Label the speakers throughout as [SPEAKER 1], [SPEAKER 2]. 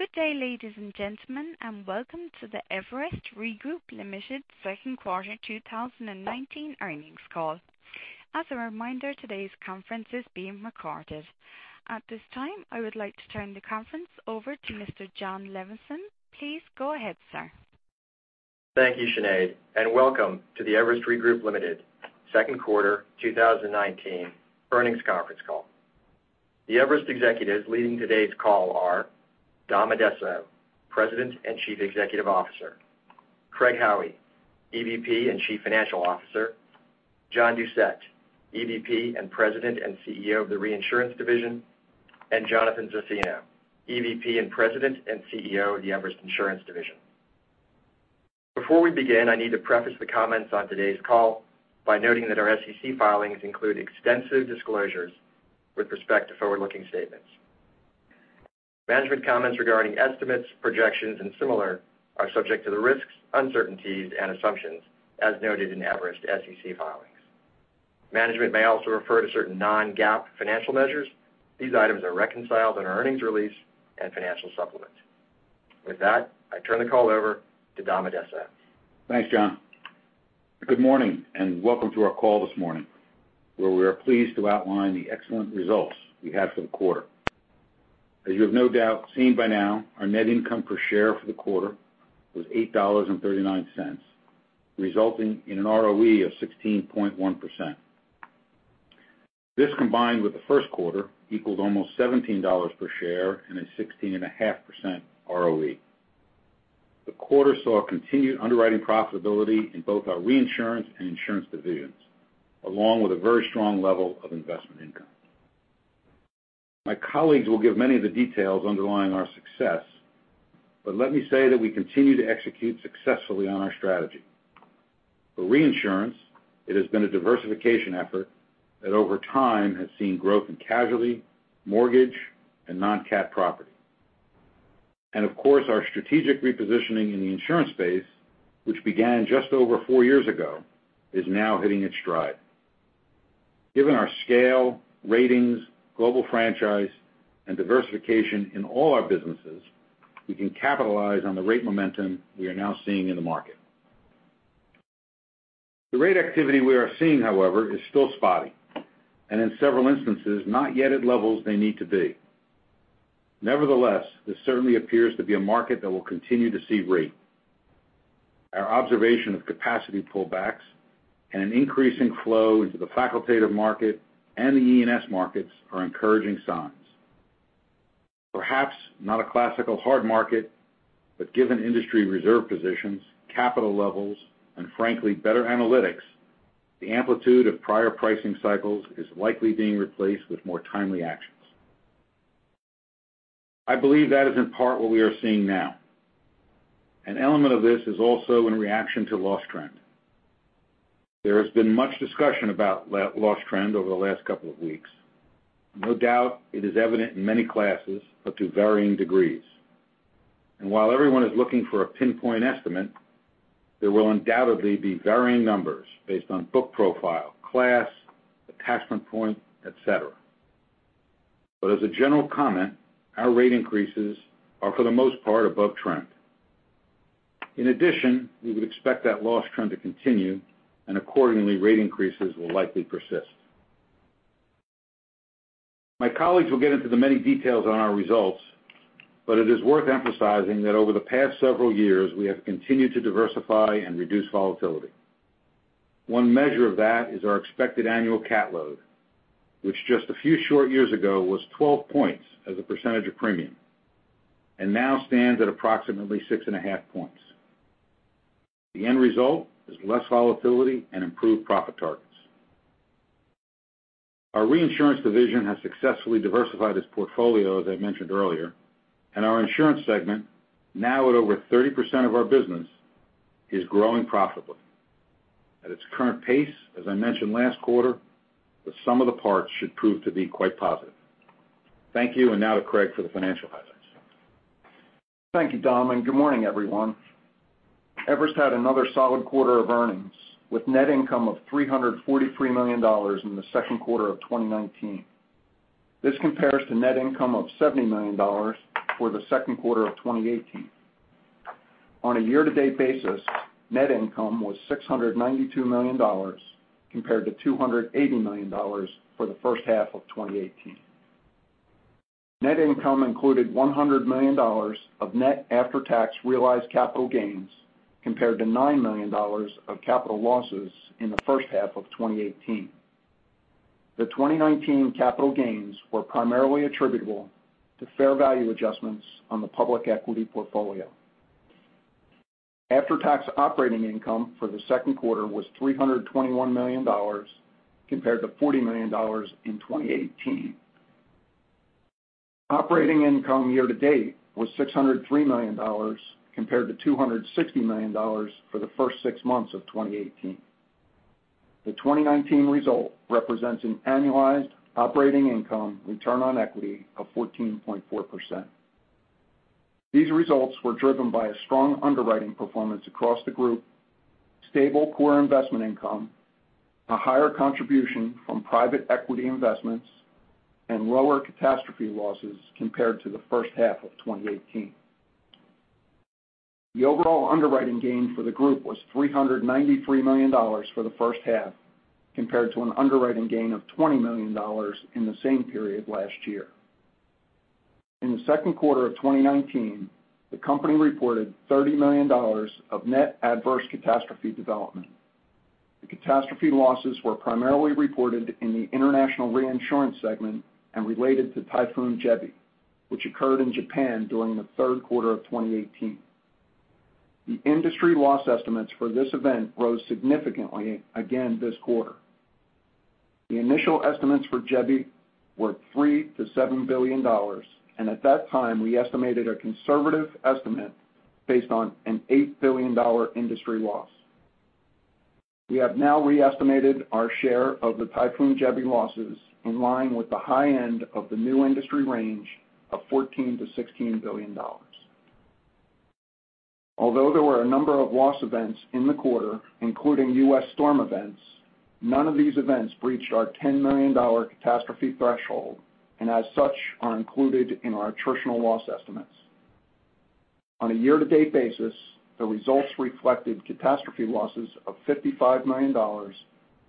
[SPEAKER 1] Good day, ladies and gentlemen, and welcome to the Everest Re Group Limited second quarter 2019 earnings call. As a reminder, today's conference is being recorded. At this time, I would like to turn the conference over to Mr. John Levenson. Please go ahead, sir.
[SPEAKER 2] Thank you, Sinead, and welcome to the Everest Re Group Limited second quarter 2019 earnings conference call. The Everest executives leading today's call are Dom Addesso, President and Chief Executive Officer, Craig Howie, EVP and Chief Financial Officer, John Doucette, EVP and President and CEO of the Reinsurance Division, and Jonathan Zaffino, EVP and President and CEO of the Everest Insurance Division. Before we begin, I need to preface the comments on today's call by noting that our SEC filings include extensive disclosures with respect to forward-looking statements. Management comments regarding estimates, projections, and similar are subject to the risks, uncertainties, and assumptions as noted in Everest SEC filings. Management may also refer to certain non-GAAP financial measures. These items are reconciled in our earnings release and financial supplements. With that, I turn the call over to Dom Addesso.
[SPEAKER 3] Thanks, John. Good morning and welcome to our call this morning, where we are pleased to outline the excellent results we had for the quarter. As you have no doubt seen by now, our net income per share for the quarter was $8.39, resulting in an ROE of 16.1%. This, combined with the first quarter, equals almost $17 per share and a 16.5% ROE. The quarter saw continued underwriting profitability in both our reinsurance and insurance divisions, along with a very strong level of investment income. My colleagues will give many of the details underlying our success, but let me say that we continue to execute successfully on our strategy. For reinsurance, it has been a diversification effort that over time has seen growth in casualty, mortgage, and non-cat property. Of course, our strategic repositioning in the insurance space, which began just over four years ago, is now hitting its stride. Given our scale, ratings, global franchise, and diversification in all our businesses, we can capitalize on the rate momentum we are now seeing in the market. The rate activity we are seeing, however, is still spotty, and in several instances, not yet at levels they need to be. Nevertheless, this certainly appears to be a market that will continue to see rate. Our observation of capacity pullbacks and an increase in flow into the facultative market and the E&S markets are encouraging signs. Perhaps not a classical hard market, but given industry reserve positions, capital levels, and frankly, better analytics, the amplitude of prior pricing cycles is likely being replaced with more timely actions. I believe that is in part what we are seeing now. An element of this is also in reaction to loss trend. There has been much discussion about loss trend over the last couple of weeks. No doubt it is evident in many classes, but to varying degrees. While everyone is looking for a pinpoint estimate, there will undoubtedly be varying numbers based on book profile, class, attachment point, et cetera. As a general comment, our rate increases are for the most part above trend. In addition, we would expect that loss trend to continue, and accordingly, rate increases will likely persist. My colleagues will get into the many details on our results, but it is worth emphasizing that over the past several years, we have continued to diversify and reduce volatility. One measure of that is our expected annual cat load, which just a few short years ago was 12 points as a percentage of premium, and now stands at approximately 6.5 points. The end result is less volatility and improved profit targets. Our Reinsurance Division has successfully diversified its portfolio, as I mentioned earlier, and our Insurance segment, now at over 30% of our business, is growing profitably. At its current pace, as I mentioned last quarter, the sum of the parts should prove to be quite positive. Thank you, and now to Craig for the financial highlights.
[SPEAKER 4] Thank you, Dom. Good morning, everyone. Everest had another solid quarter of earnings, with net income of $343 million in the second quarter of 2019. This compares to net income of $70 million for the second quarter of 2018. On a year-to-date basis, net income was $692 million, compared to $280 million for the first half of 2018. Net income included $100 million of net after-tax realized capital gains, compared to $9 million of capital losses in the first half of 2018. The 2019 capital gains were primarily attributable to fair value adjustments on the public equity portfolio. After-tax operating income for the second quarter was $321 million compared to $40 million in 2018. Operating income year-to-date was $603 million compared to $260 million for the first six months of 2018. The 2019 result represents an annualized operating income return on equity of 14.4%. These results were driven by a strong underwriting performance across the group. Stable core investment income, a higher contribution from private equity investments, and lower catastrophe losses compared to the first half of 2018. The overall underwriting gain for the group was $393 million for the first half, compared to an underwriting gain of $20 million in the same period last year. In the second quarter of 2019, the company reported $30 million of net adverse catastrophe development. The catastrophe losses were primarily reported in the international reinsurance segment and related to Typhoon Jebi, which occurred in Japan during the third quarter of 2018. The industry loss estimates for this event rose significantly again this quarter. The initial estimates for Jebi were $3 billion-$7 billion, at that time, we estimated a conservative estimate based on an $8 billion industry loss. We have now re-estimated our share of the Typhoon Jebi losses in line with the high end of the new industry range of $14 billion-$16 billion. Although there were a number of loss events in the quarter, including U.S. storm events, none of these events breached our $10 million catastrophe threshold, and as such, are included in our attritional loss estimates. On a year-to-date basis, the results reflected catastrophe losses of $55 million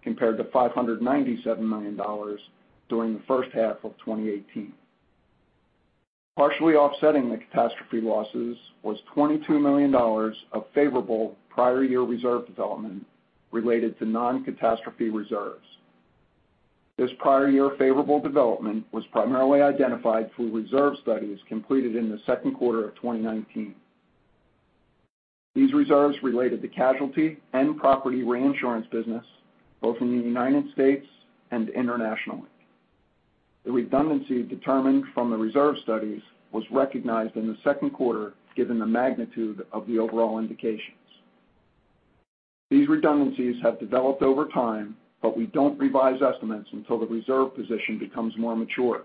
[SPEAKER 4] compared to $597 million during the first half of 2018. Partially offsetting the catastrophe losses was $22 million of favorable prior year reserve development related to non-catastrophe reserves. This prior year favorable development was primarily identified through reserve studies completed in the second quarter of 2019. These reserves related to casualty and property reinsurance business both in the United States and internationally. The redundancy determined from the reserve studies was recognized in the second quarter, given the magnitude of the overall indications. These redundancies have developed over time, but we don't revise estimates until the reserve position becomes more mature.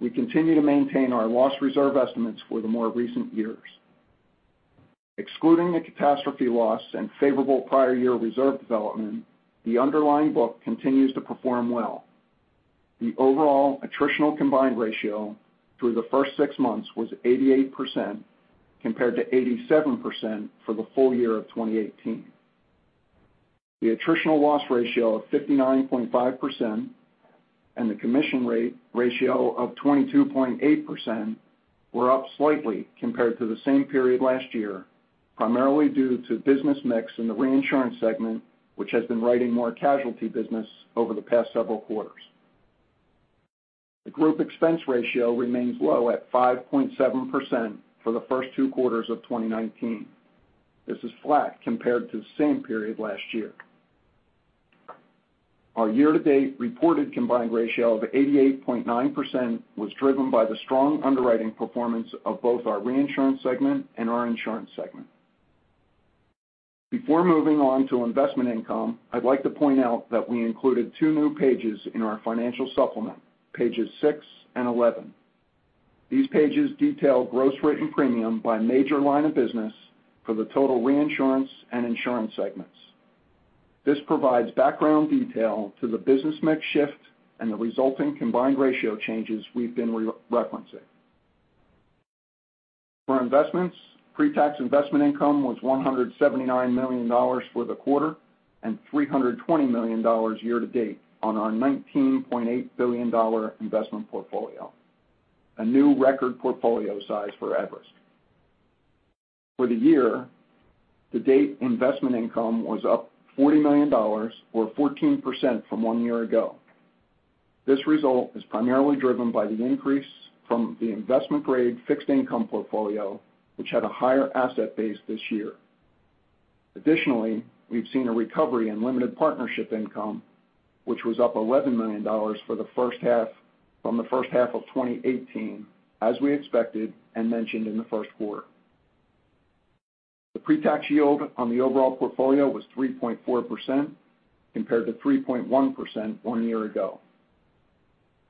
[SPEAKER 4] We continue to maintain our loss reserve estimates for the more recent years. Excluding the catastrophe loss and favorable prior year reserve development, the underlying book continues to perform well. The overall attritional combined ratio through the first six months was 88%, compared to 87% for the full year of 2018. The attritional loss ratio of 59.5% and the commission rate ratio of 22.8% were up slightly compared to the same period last year, primarily due to business mix in the reinsurance segment, which has been writing more casualty business over the past several quarters. The group expense ratio remains low at 5.7% for the first two quarters of 2019. This is flat compared to the same period last year. Our year-to-date reported combined ratio of 88.9% was driven by the strong underwriting performance of both our reinsurance segment and our insurance segment. Before moving on to investment income, I'd like to point out that we included two new pages in our financial supplement, pages six and 11. These pages detail gross written premium by major line of business for the total reinsurance and insurance segments. This provides background detail to the business mix shift and the resulting combined ratio changes we've been referencing. For investments, pre-tax investment income was $179 million for the quarter and $320 million year-to-date on our $19.8 billion investment portfolio, a new record portfolio size for Everest. For the year-to-date, investment income was up $40 million, or 14%, from one year ago. This result is primarily driven by the increase from the investment-grade fixed income portfolio, which had a higher asset base this year. We've seen a recovery in limited partnership income, which was up $11 million from the first half of 2018, as we expected and mentioned in the first quarter. The pre-tax yield on the overall portfolio was 3.4%, compared to 3.1% one year ago,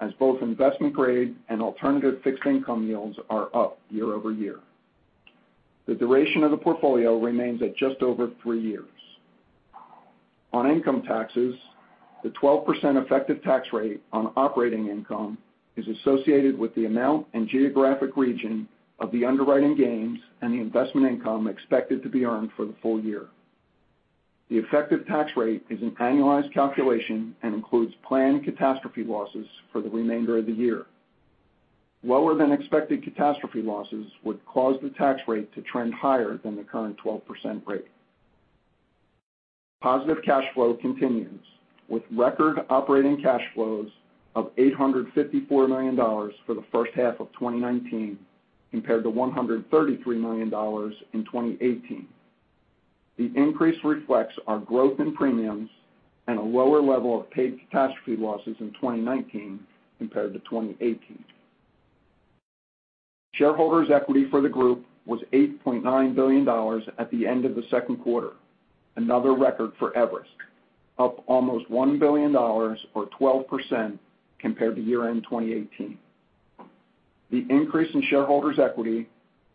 [SPEAKER 4] as both investment-grade and alternative fixed income yields are up year-over-year. The duration of the portfolio remains at just over three years. On income taxes, the 12% effective tax rate on operating income is associated with the amount and geographic region of the underwriting gains and the investment income expected to be earned for the full year. The effective tax rate is an annualized calculation and includes planned catastrophe losses for the remainder of the year. Lower than expected catastrophe losses would cause the tax rate to trend higher than the current 12% rate. Positive cash flow continues, with record operating cash flows of $854 million for the first half of 2019, compared to $133 million in 2018. The increase reflects our growth in premiums and a lower level of paid catastrophe losses in 2019 compared to 2018. Shareholders' equity for the group was $8.9 billion at the end of the second quarter, another record for Everest, up almost $1 billion, or 12%, compared to year-end 2018. The increase in shareholders' equity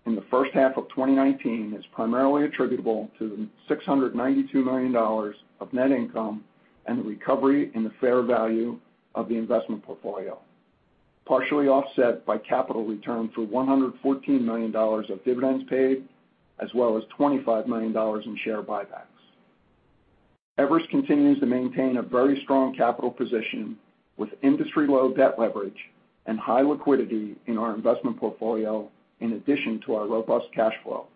[SPEAKER 4] in the first half of 2019 is primarily attributable to the $692 million of net income and the recovery in the fair value of the investment portfolio, partially offset by capital returns for $114 million of dividends paid, as well as $25 million in share buybacks. Everest continues to maintain a very strong capital position with industry-low debt leverage and high liquidity in our investment portfolio, in addition to our robust cash flow.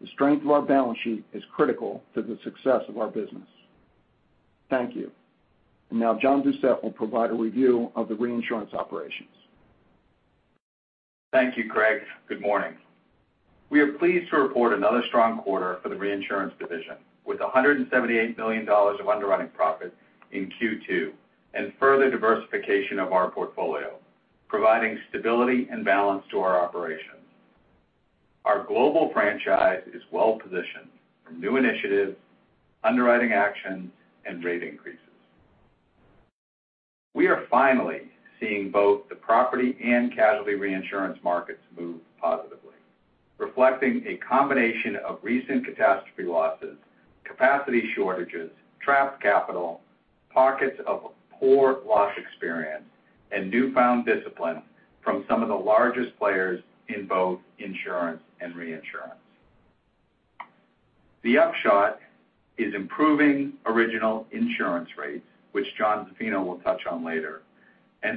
[SPEAKER 4] The strength of our balance sheet is critical to the success of our business. Thank you. Now John Doucette will provide a review of the reinsurance operations.
[SPEAKER 5] Thank you, Craig. Good morning. We are pleased to report another strong quarter for the Reinsurance Division, with $178 million of underwriting profit in Q2 and further diversification of our portfolio, providing stability and balance to our operations. Our global franchise is well-positioned for new initiatives, underwriting actions, and rate increases. We are finally seeing both the property and casualty reinsurance markets move positively, reflecting a combination of recent catastrophe losses, capacity shortages, trapped capital, pockets of poor loss experience, and newfound discipline from some of the largest players in both insurance and reinsurance. The upshot is improving original insurance rates, which John Zaffino will touch on later.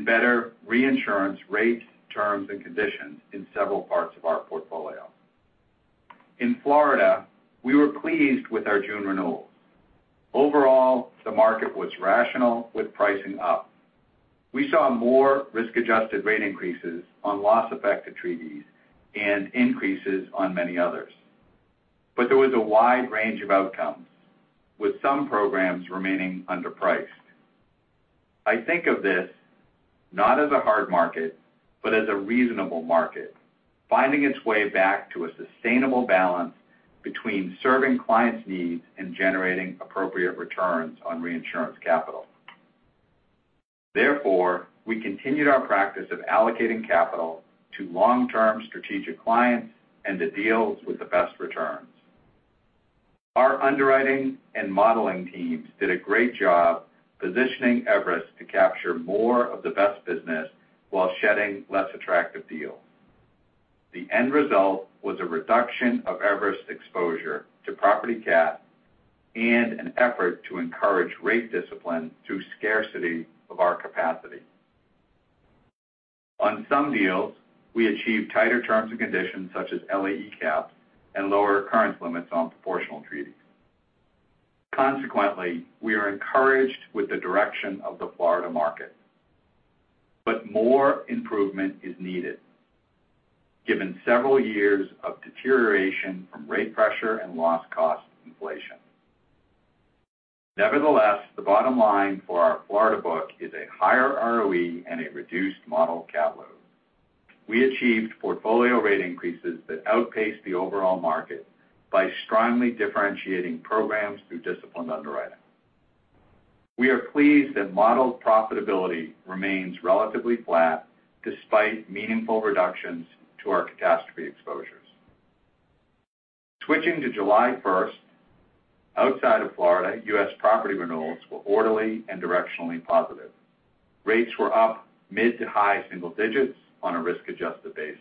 [SPEAKER 5] Better reinsurance rates, terms, and conditions in several parts of our portfolio. In Florida, we were pleased with our June renewals. Overall, the market was rational with pricing up. We saw more risk-adjusted rate increases on loss-affected treaties and increases on many others. There was a wide range of outcomes, with some programs remaining underpriced. I think of this not as a hard market, but as a reasonable market finding its way back to a sustainable balance between serving clients' needs and generating appropriate returns on reinsurance capital. Therefore, we continued our practice of allocating capital to long-term strategic clients and to deals with the best returns. Our underwriting and modeling teams did a great job positioning Everest to capture more of the best business while shedding less attractive deals. The end result was a reduction of Everest's exposure to property cat and an effort to encourage rate discipline through scarcity of our capacity. On some deals, we achieved tighter terms and conditions such as LAE caps and lower current limits on proportional treaties. Consequently, we are encouraged with the direction of the Florida market. More improvement is needed given several years of deterioration from rate pressure and loss cost inflation. Nevertheless, the bottom line for our Florida book is a higher ROE and a reduced model cat load. We achieved portfolio rate increases that outpaced the overall market by strongly differentiating programs through disciplined underwriting. We are pleased that modeled profitability remains relatively flat despite meaningful reductions to our catastrophe exposures. Switching to July 1, outside of Florida, U.S. property renewals were orderly and directionally positive. Rates were up mid to high single digits on a risk-adjusted basis.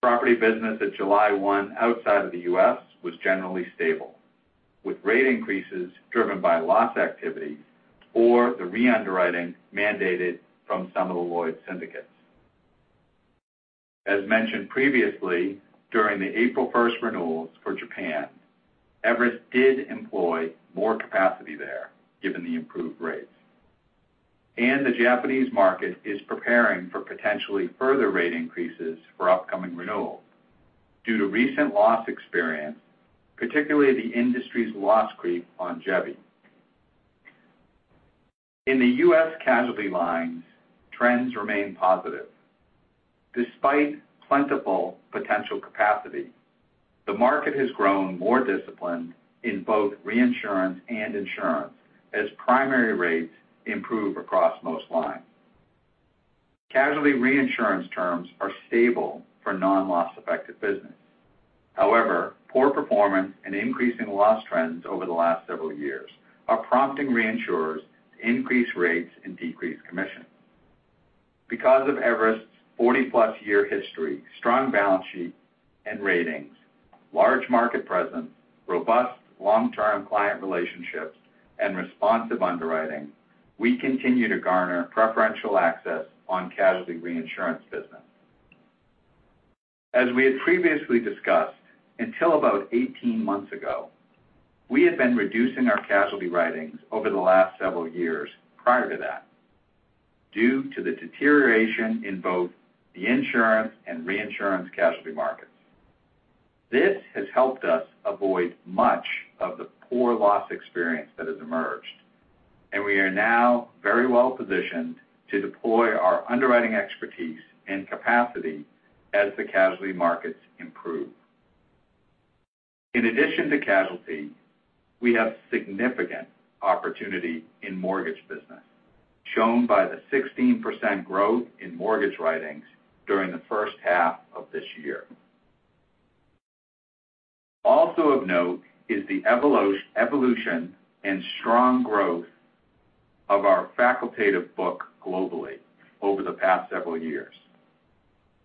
[SPEAKER 5] Property business at July 1 outside of the U.S. was generally stable, with rate increases driven by loss activity or the re-underwriting mandated from some of the Lloyd's syndicates. As mentioned previously, during the April 1st renewals for Japan, Everest did employ more capacity there given the improved rates. The Japanese market is preparing for potentially further rate increases for upcoming renewals due to recent loss experience, particularly the industry's loss creep on Jebi. In the U.S. casualty lines, trends remain positive. Despite plentiful potential capacity, the market has grown more disciplined in both reinsurance and insurance as primary rates improve across most lines. Casualty reinsurance terms are stable for non-loss-affected business. However, poor performance and increasing loss trends over the last several years are prompting reinsurers to increase rates and decrease commissions. Because of Everest's 40-plus year history, strong balance sheet and ratings, large market presence, robust long-term client relationships, and responsive underwriting, we continue to garner preferential access on casualty reinsurance business. As we had previously discussed, until about 18 months ago, we had been reducing our casualty writings over the last several years prior to that due to the deterioration in both the insurance and reinsurance casualty markets. This has helped us avoid much of the poor loss experience that has emerged, and we are now very well-positioned to deploy our underwriting expertise and capacity as the casualty markets improve. In addition to casualty, we have significant opportunity in mortgage business, shown by the 16% growth in mortgage writings during the first half of this year. Also of note is the evolution and strong growth of our facultative book globally over the past several years.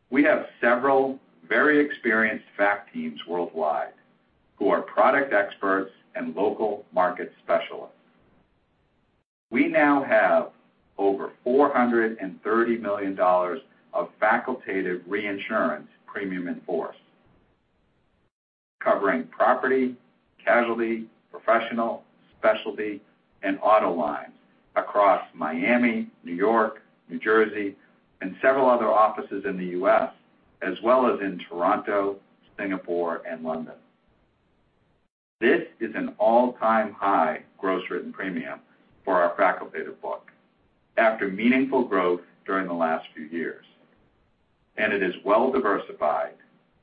[SPEAKER 5] We have several very experienced fac teams worldwide who are product experts and local market specialists. We now have over $430 million of facultative reinsurance premium in force, covering property, casualty, professional, specialty, and auto lines across Miami, New York, New Jersey, and several other offices in the U.S., as well as in Toronto, Singapore, and London. This is an all-time high gross written premium for our fac book after meaningful growth during the last few years, and it is well-diversified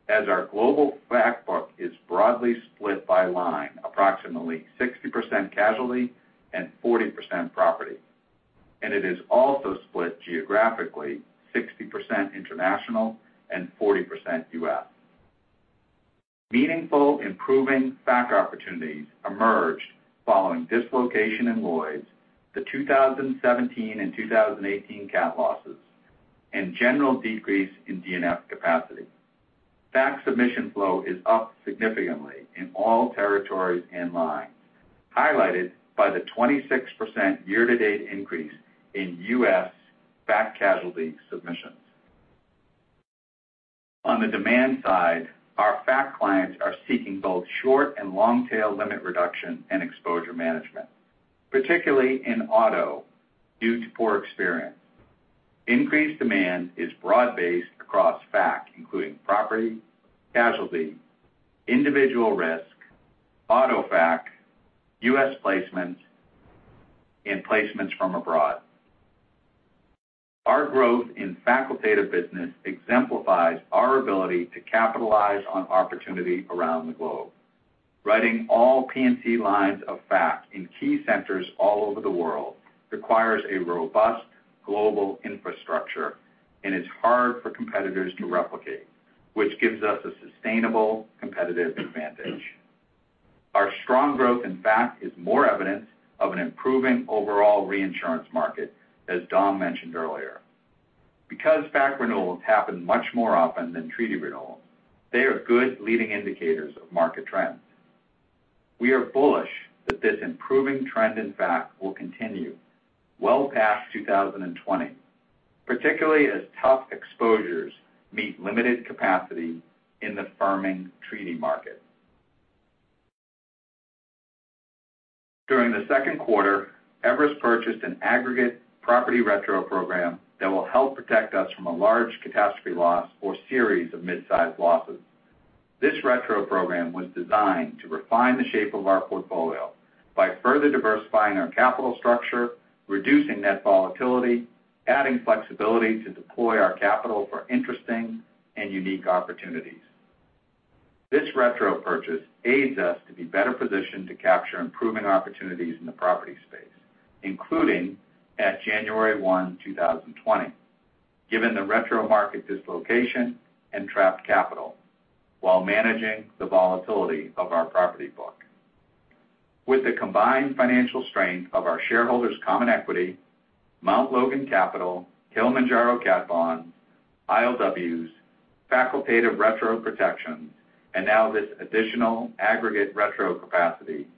[SPEAKER 5] as our global fac book is broadly split by line approximately 60% casualty and 40% property, and it is also split geographically 60% international and 40% U.S. Meaningful improving fac opportunities emerged following dislocation in Lloyd's, the 2017 and 2018 cat losses, and general decrease in D&F capacity. Fac submission flow is up significantly in all territories and lines, highlighted by the 26% year-to-date increase in U.S. fac casualty submissions. On the demand side, our fac clients are seeking both short and long-tail limit reduction and exposure management, particularly in auto due to poor experience. Increased demand is broad-based across fac, including property, casualty, individual risk, auto fac, U.S. placements, and placements from abroad. Our growth in facultative business exemplifies our ability to capitalize on opportunity around the globe. Writing all P&C lines of fac in key centers all over the world requires a robust global infrastructure and is hard for competitors to replicate, which gives us a sustainable competitive advantage. Our strong growth in fac is more evidence of an improving overall reinsurance market, as Dom mentioned earlier. Because fac renewals happen much more often than treaty renewals, they are good leading indicators of market trends. We are bullish that this improving trend in fac will continue well past 2020, particularly as tough exposures meet limited capacity in the firming treaty market. During the second quarter, Everest purchased an aggregate property retro program that will help protect us from a large catastrophe loss or series of mid-size losses. This retro program was designed to refine the shape of our portfolio by further diversifying our capital structure, reducing net volatility, adding flexibility to deploy our capital for interesting and unique opportunities. This retro purchase aids us to be better positioned to capture improving opportunities in the property space, including at January one, 2020, given the retro market dislocation and trapped capital while managing the volatility of our property book. With the combined financial strength of our shareholders' common equity, Mt. Logan Re, Kilimanjaro Cat Bond, ILWs, facultative retro protection, and now this additional aggregate retro capacity,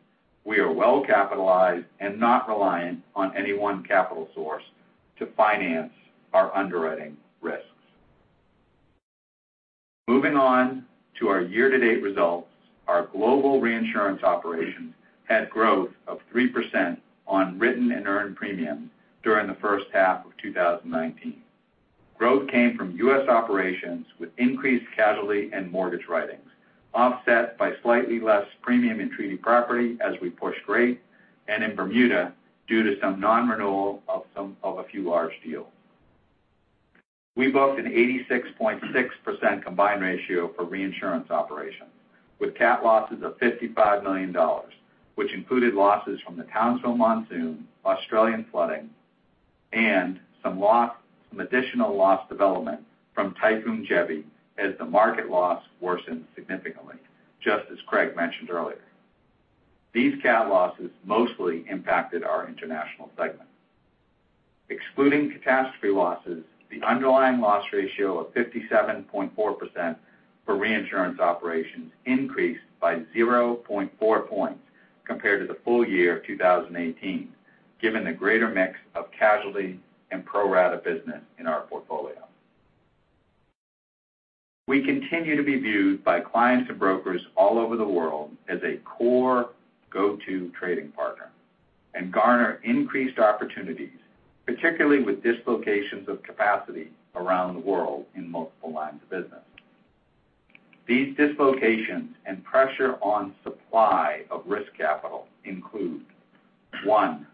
[SPEAKER 5] we are well capitalized and not reliant on any one capital source to finance our underwriting risks. Moving on to our year-to-date results, our global reinsurance operations had growth of 3% on written and earned premium during the first half of 2019. Growth came from U.S. operations with increased casualty and mortgage writings, offset by slightly less premium in treaty property as we pushed rate, and in Bermuda, due to some non-renewal of a few large deals. We booked an 86.6% combined ratio for reinsurance operations, with cat losses of $55 million, which included losses from the Townsville monsoon, Australian flooding, and some additional loss development from Typhoon Jebi as the market loss worsened significantly, just as Craig mentioned earlier. These cat losses mostly impacted our international segment. Excluding catastrophe losses, the underlying loss ratio of 57.4% for reinsurance operations increased by 0.4 points compared to the full year of 2018, given the greater mix of casualty and pro-rata business in our portfolio. We continue to be viewed by clients and brokers all over the world as a core go-to trading partner and garner increased opportunities, particularly with dislocations of capacity around the world in multiple lines of business. These dislocations and pressure on supply of risk capital include one.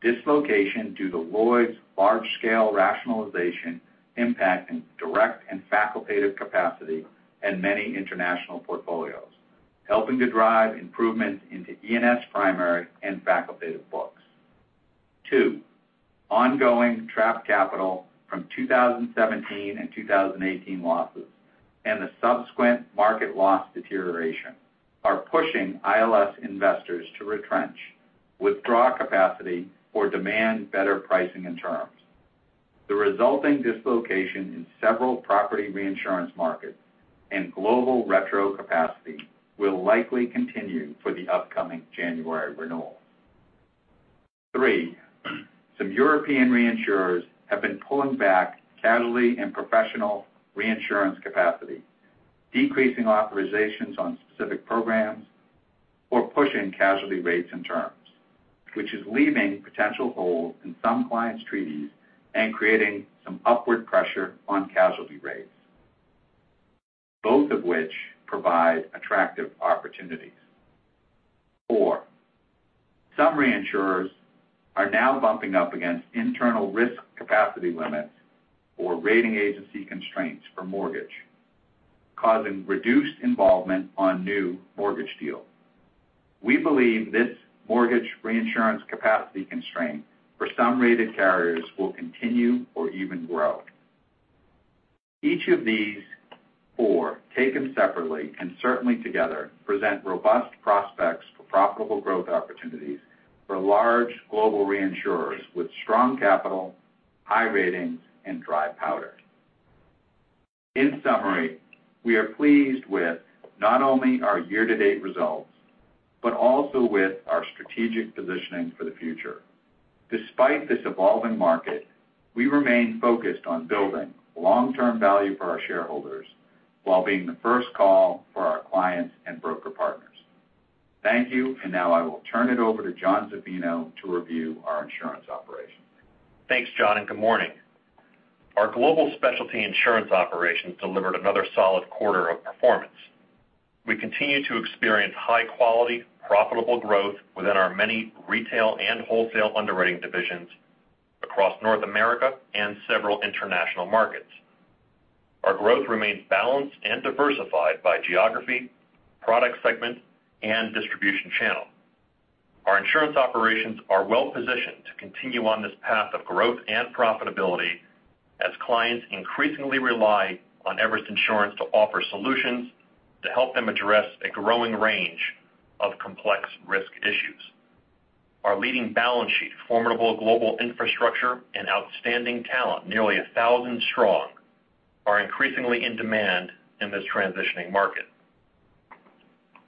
[SPEAKER 5] Dislocation due to Lloyd's large-scale rationalization impacting direct and facultative capacity and many international portfolios, helping to drive improvements into E&S primary and facultative books. Two. Ongoing trapped capital from 2017 and 2018 losses and the subsequent market loss deterioration are pushing ILS investors to retrench, withdraw capacity, or demand better pricing and terms. The resulting dislocation in several property reinsurance markets and global retro capacity will likely continue for the upcoming January renewals. Three, some European reinsurers have been pulling back casualty and professional reinsurance capacity, decreasing authorizations on specific programs, or pushing casualty rates and terms, which is leaving potential holes in some clients' treaties and creating some upward pressure on casualty rates, both of which provide attractive opportunities. Four, some reinsurers are now bumping up against internal risk capacity limits or rating agency constraints for mortgage, causing reduced involvement on new mortgage deals. We believe this mortgage reinsurance capacity constraint for some rated carriers will continue or even grow. Each of these four, taken separately and certainly together, present robust prospects for profitable growth opportunities for large global reinsurers with strong capital, high ratings, and dry powder. In summary, we are pleased with not only our year-to-date results, but also with our strategic positioning for the future. Despite this evolving market, we remain focused on building long-term value for our shareholders while being the first call for our clients and broker partners. Thank you. Now I will turn it over to Jon Zaffino to review our insurance operations.
[SPEAKER 6] Thanks, John. Good morning. Our Global Specialty Insurance operations delivered another solid quarter of performance. We continue to experience high-quality, profitable growth within our many retail and wholesale underwriting divisions across North America and several international markets. Our growth remains balanced and diversified by geography, product segment, and distribution channel. Our insurance operations are well-positioned to continue on this path of growth and profitability as clients increasingly rely on Everest Insurance to offer solutions to help them address a growing range of complex risk issues. Our leading balance sheet, formidable global infrastructure, and outstanding talent, nearly 1,000 strong, are increasingly in demand in this transitioning market.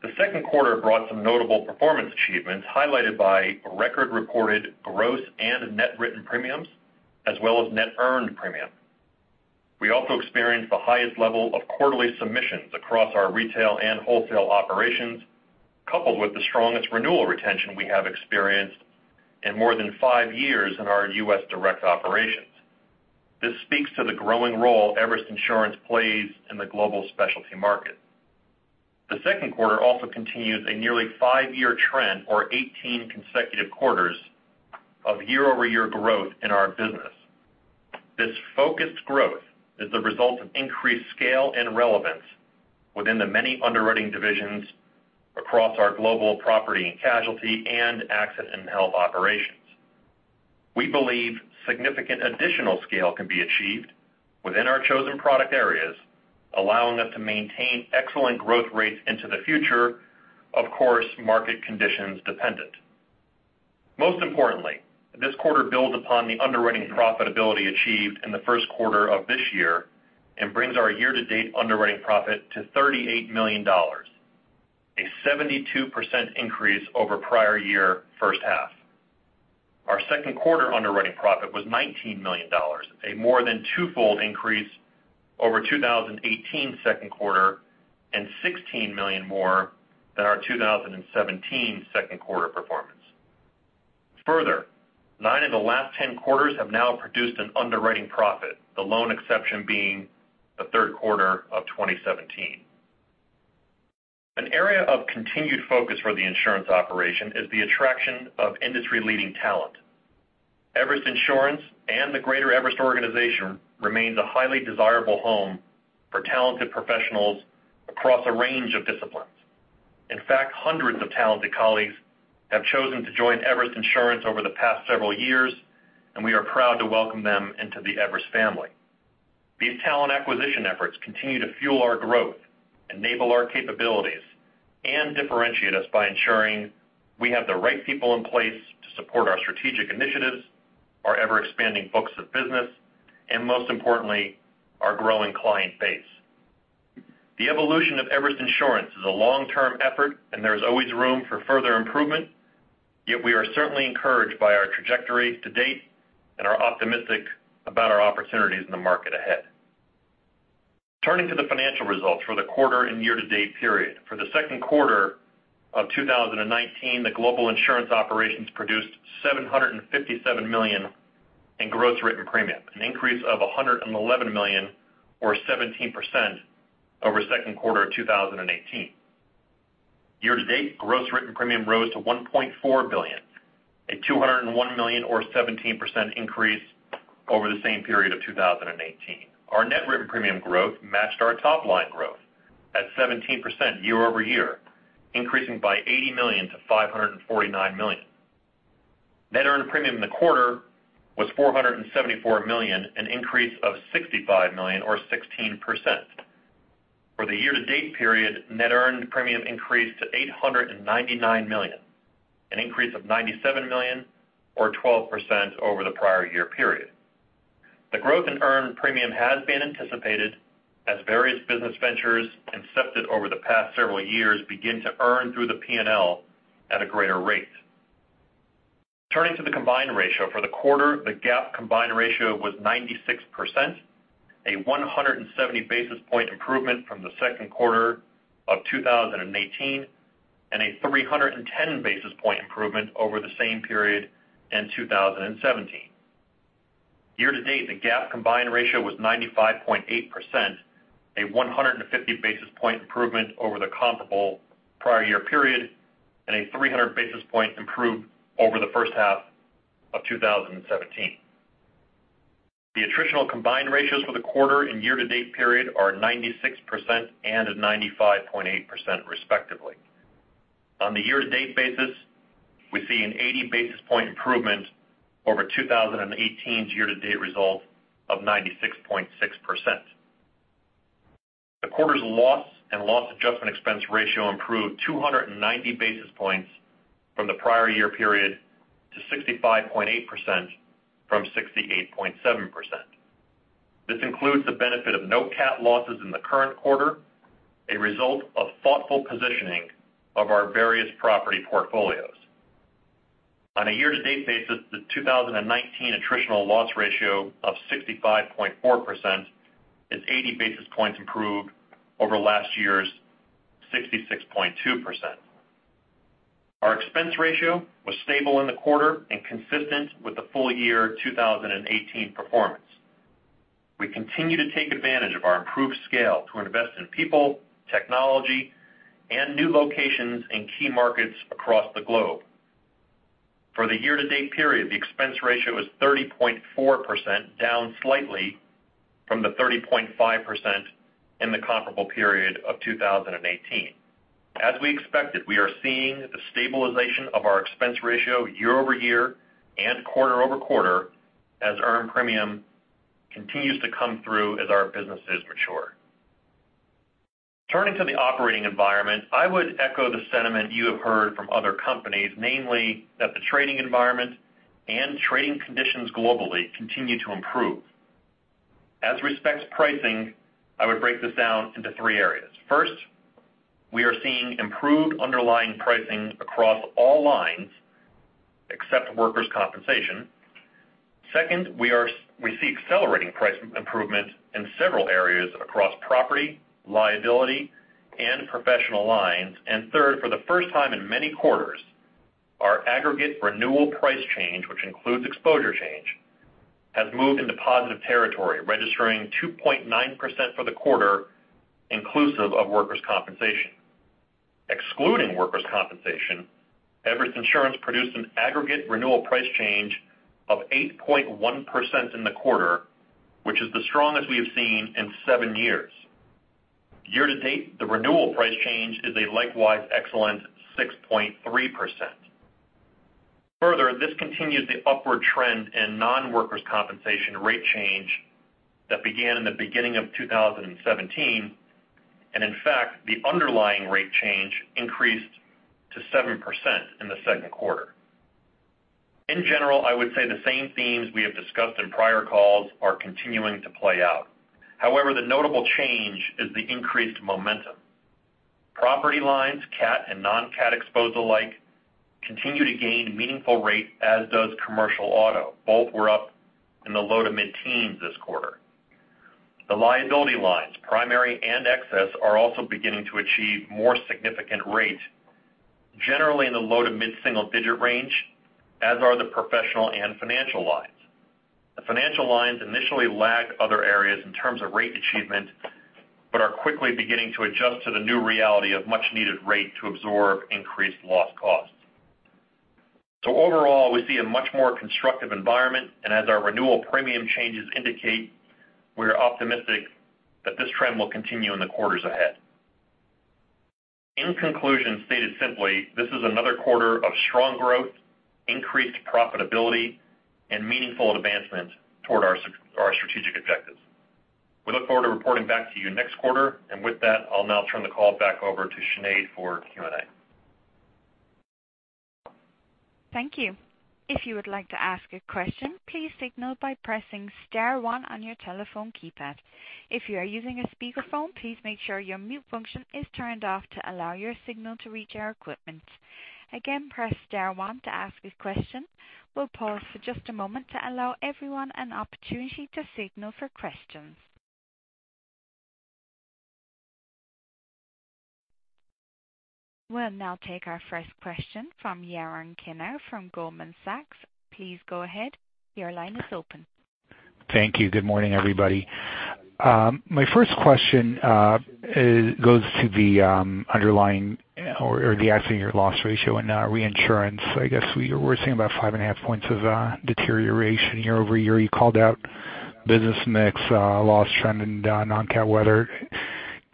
[SPEAKER 6] The second quarter brought some notable performance achievements, highlighted by record-reported gross and net written premiums, as well as net earned premium. We also experienced the highest level of quarterly submissions across our retail and wholesale operations, coupled with the strongest renewal retention we have experienced in more than 5 years in our U.S. direct operations. This speaks to the growing role Everest Insurance plays in the global specialty market. The second quarter also continues a nearly 5-year trend or 18 consecutive quarters of year-over-year growth in our business. This focused growth is the result of increased scale and relevance within the many underwriting divisions across our global property and casualty and access and health operations. We believe significant additional scale can be achieved within our chosen product areas, allowing us to maintain excellent growth rates into the future, of course, market conditions dependent. Most importantly, this quarter builds upon the underwriting profitability achieved in the first quarter of this year and brings our year-to-date underwriting profit to $38 million, a 72% increase over prior year first half. Our second quarter underwriting profit was $19 million, a more than twofold increase over 2018 second quarter and $16 million more than our 2017 second quarter performance. Further, nine of the last 10 quarters have now produced an underwriting profit, the lone exception being the third quarter of 2017. An area of continued focus for the insurance operation is the attraction of industry-leading talent. Everest Insurance and the greater Everest organization remains a highly desirable home for talented professionals across a range of disciplines. In fact, hundreds of talented colleagues have chosen to join Everest Insurance over the past several years, and we are proud to welcome them into the Everest family. These talent acquisition efforts continue to fuel our growth, enable our capabilities, and differentiate us by ensuring we have the right people in place to support our strategic initiatives, our ever-expanding books of business, and most importantly, our growing client base. The evolution of Everest Insurance is a long-term effort. There is always room for further improvement, yet we are certainly encouraged by our trajectory to date and are optimistic about our opportunities in the market ahead. Turning to the financial results for the quarter and year-to-date period. For the second quarter of 2019, the global insurance operations produced $757 million in gross written premium, an increase of $111 million or 17% over second quarter of 2018. Year-to-date, gross written premium rose to $1.4 billion, a $201 million or 17% increase over the same period of 2018. Our net written premium growth matched our top-line growth at 17% year-over-year, increasing by $80 million-$549 million. Net earned premium in the quarter was $474 million, an increase of $65 million or 16%. For the year-to-date period, net earned premium increased to $899 million, an increase of $97 million or 12% over the prior year period. The growth in earned premium has been anticipated as various business ventures incepted over the past several years begin to earn through the P&L at a greater rate. Turning to the combined ratio. For the quarter, the GAAP combined ratio was 96%, a 170 basis point improvement from the second quarter of 2018, and a 310 basis point improvement over the same period in 2017. Year-to-date, the GAAP combined ratio was 95.8%, a 150 basis point improvement over the comparable prior year period, a 300 basis point improve over the first half of 2017. The attritional combined ratios for the quarter and year-to-date period are 96% and 95.8% respectively. On the year-to-date basis, we see an 80 basis point improvement over 2018's year-to-date result of 96.6%. The quarter's loss and loss adjustment expense ratio improved 290 basis points from the prior year period to 65.8% from 68.7%. This includes the benefit of no cat losses in the current quarter, a result of thoughtful positioning of our various property portfolios. On a year-to-date basis, the 2019 attritional loss ratio of 65.4% is 80 basis points improved over last year's 66.2%. Our expense ratio was stable in the quarter and consistent with the full year 2018 performance. We continue to take advantage of our improved scale to invest in people, technology, and new locations in key markets across the globe. For the year-to-date period, the expense ratio was 30.4%, down slightly from the 30.5% in the comparable period of 2018. As we expected, we are seeing the stabilization of our expense ratio year-over-year and quarter-over-quarter as earned premium continues to come through as our businesses mature. Turning to the operating environment, I would echo the sentiment you have heard from other companies, namely that the trading environment and trading conditions globally continue to improve. As respects pricing, I would break this down into three areas. First, we are seeing improved underlying pricing across all lines except workers' compensation. Second, we see accelerating price improvement in several areas across property, liability, and professional lines. Third, for the first time in many quarters, our aggregate renewal price change, which includes exposure change, has moved into positive territory, registering 2.9% for the quarter inclusive of workers' compensation. Excluding workers' compensation, Everest Insurance produced an aggregate renewal price change of 8.1% in the quarter, which is the strongest we have seen in seven years. Year to date, the renewal price change is a likewise excellent 6.3%. This continues the upward trend in non-workers' compensation rate change that began in the beginning of 2017, and in fact, the underlying rate change increased to 7% in the second quarter. In general, I would say the same themes we have discussed in prior calls are continuing to play out. However, the notable change is the increased momentum. Property lines, cat and non-cat exposure alike, continue to gain meaningful rate, as does commercial auto. Both were up in the low to mid-teens this quarter. The liability lines, primary and excess, are also beginning to achieve more significant rate, generally in the low to mid-single-digit range, as are the professional and financial lines. The financial lines initially lagged other areas in terms of rate achievement, but are quickly beginning to adjust to the new reality of much needed rate to absorb increased loss costs. Overall, we see a much more constructive environment, and as our renewal premium changes indicate, we are optimistic that this trend will continue in the quarters ahead. In conclusion, stated simply, this is another quarter of strong growth, increased profitability, and meaningful advancement toward our strategic objectives. We look forward to reporting back to you next quarter. With that, I'll now turn the call back over to Sinead for Q&A.
[SPEAKER 1] Thank you. If you would like to ask a question, please signal by pressing star one on your telephone keypad. If you are using a speakerphone, please make sure your mute function is turned off to allow your signal to reach our equipment. Again, press star one to ask a question. We'll pause for just a moment to allow everyone an opportunity to signal for questions. We'll now take our first question from Yaron Kinar from Goldman Sachs. Please go ahead. Your line is open.
[SPEAKER 7] Thank you. Good morning, everybody. My first question goes to the underlying or the actual year loss ratio in our reinsurance. I guess we're seeing about 5.5 points of deterioration year-over-year. You called out business mix, loss trend, and non-cat weather.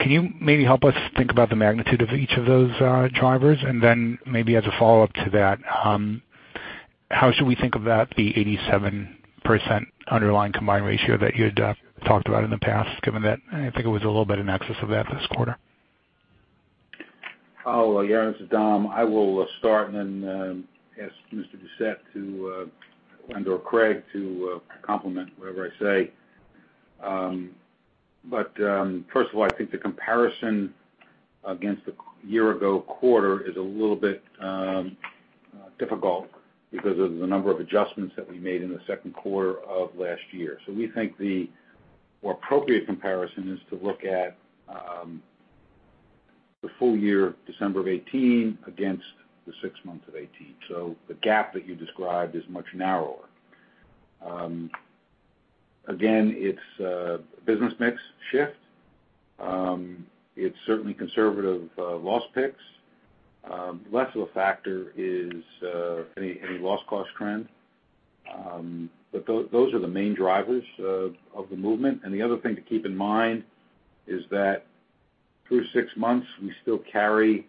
[SPEAKER 7] Can you maybe help us think about the magnitude of each of those drivers? Maybe as a follow-up to that, how should we think about the 87% underlying combined ratio that you had talked about in the past, given that I think it was a little bit in excess of that this quarter?
[SPEAKER 3] Yaron, this is Dom. I will start and then ask Mr. Doucette and/or Craig to complement whatever I say. First of all, I think the comparison against the year-ago quarter is a little bit difficult because of the number of adjustments that we made in the second quarter of last year. We think the more appropriate comparison is to look at the full year, December of 2018 against the six months of 2018. The gap that you described is much narrower. Again, it's a business mix shift. It's certainly conservative loss picks. Less of a factor is any loss cost trend. Those are the main drivers of the movement. The other thing to keep in mind is that through six months, we still carry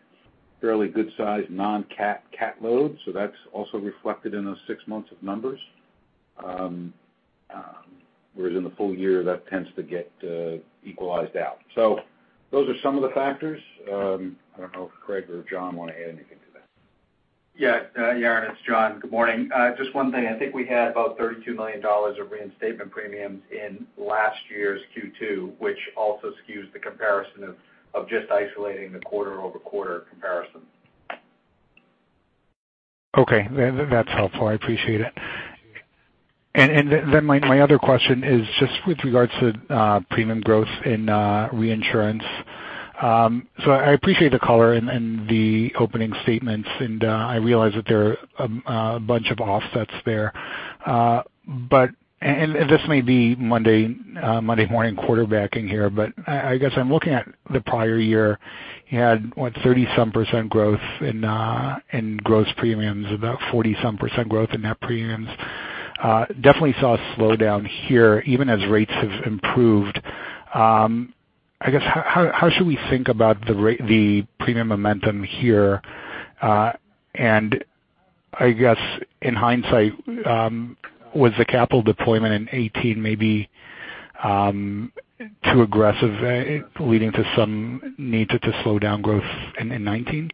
[SPEAKER 3] fairly good-sized non-cat loads. That's also reflected in those six months of numbers. Whereas in the full year, that tends to get equalized out. Those are some of the factors. I don't know if Craig or John want to add anything to that.
[SPEAKER 5] Yaron, it's John. Good morning. Just one thing. I think we had about $32 million of reinstatement premiums in last year's Q2, which also skews the comparison of just isolating the quarter-over-quarter comparison.
[SPEAKER 7] Okay. That's helpful. I appreciate it. Then my other question is just with regards to premium growth in reinsurance. I appreciate the color and the opening statements, and I realize that there are a bunch of offsets there. This may be Monday morning quarterbacking here, but I guess I'm looking at the prior year. You had, what? 30 some percent growth in gross premiums, about 40 some percent growth in net premiums. Definitely saw a slowdown here even as rates have improved. I guess, how should we think about the premium momentum here? I guess in hindsight, was the capital deployment in 2018 maybe too aggressive, leading to some need to slow down growth in 2019?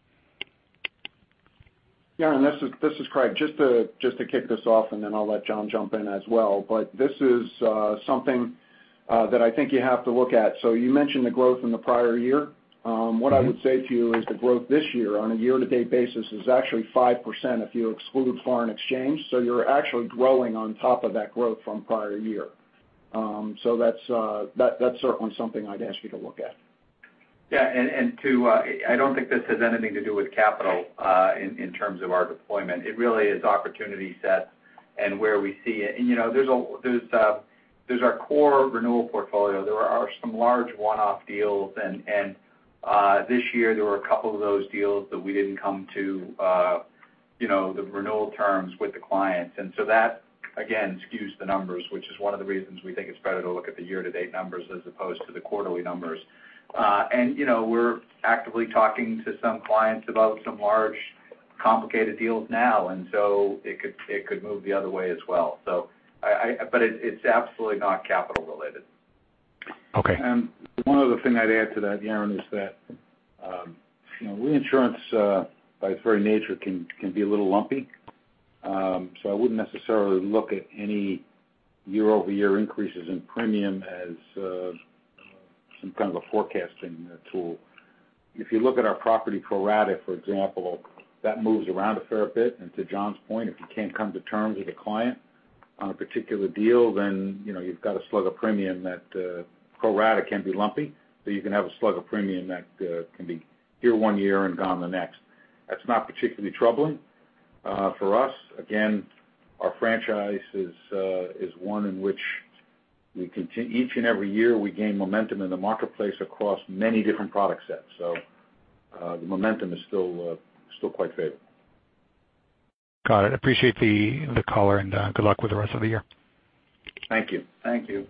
[SPEAKER 4] Yaron, this is Craig. Just to kick this off, and then I'll let John jump in as well, this is something that I think you have to look at. You mentioned the growth in the prior year. What I would say to you is the growth this year on a year-to-date basis is actually 5% if you exclude foreign exchange. You're actually growing on top of that growth from prior year. That's certainly something I'd ask you to look at.
[SPEAKER 8] Yeah. Two, I don't think this has anything to do with capital in terms of our deployment. It really is opportunity set and where we see it. There's our core renewal portfolio. There are some large one-off deals, and this year there were a couple of those deals that we didn't come to the renewal terms with the clients.
[SPEAKER 2] That, again, skews the numbers, which is one of the reasons we think it's better to look at the year-to-date numbers as opposed to the quarterly numbers. We're actively talking to some clients about some large, complicated deals now, and so it could move the other way as well. It's absolutely not capital related.
[SPEAKER 7] Okay.
[SPEAKER 3] One other thing I'd add to that, Yaron, is that reinsurance by its very nature can be a little lumpy. I wouldn't necessarily look at any year-over-year increases in premium as some kind of a forecasting tool. If you look at our property pro rata, for example, that moves around a fair bit. To John's point, if you can't come to terms with a client on a particular deal, then you've got a slug of premium that pro rata can be lumpy. You can have a slug of premium that can be here one year and gone the next. That's not particularly troubling for us. Our franchise is one in which each and every year we gain momentum in the marketplace across many different product sets. The momentum is still quite favored.
[SPEAKER 7] Got it. Appreciate the color and good luck with the rest of the year.
[SPEAKER 3] Thank you.
[SPEAKER 4] Thank you.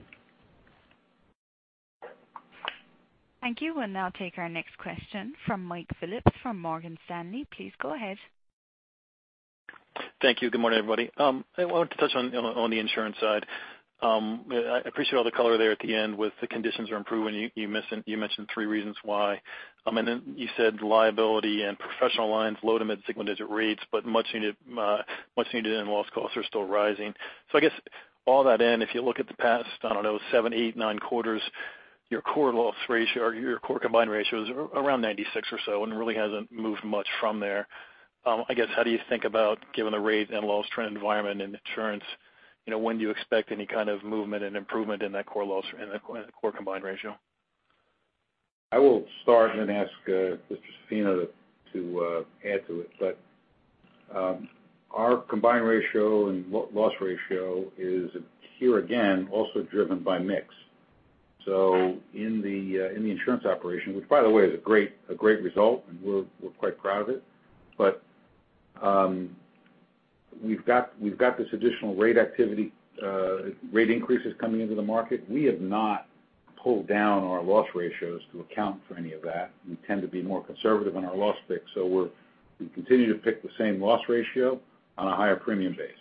[SPEAKER 1] Thank you. We will now take our next question from Mike Phillips from Morgan Stanley. Please go ahead.
[SPEAKER 9] Thank you. Good morning, everybody. I wanted to touch on the insurance side. I appreciate all the color there at the end with the conditions are improving. You mentioned three reasons why. You said liability and professional lines low to mid-single digit rates, much needed loss costs are still rising. I guess all that in, if you look at the past, I don't know, seven, eight, nine quarters, your core loss ratio or your core combined ratio is around 96 or so and really hasn't moved much from there. I guess, how do you think about giving the rate and loss trend environment and insurance, when do you expect any kind of movement and improvement in that core combined ratio?
[SPEAKER 3] I will start and then ask Mr. Zaffino to add to it. Our combined ratio and loss ratio is here again, also driven by mix. In the Everest Insurance operation, which by the way is a great result, and we're quite proud of it, but we've got this additional rate activity, rate increases coming into the market. We have not pulled down our loss ratios to account for any of that. We tend to be more conservative on our loss picks, we continue to pick the same loss ratio on a higher premium base.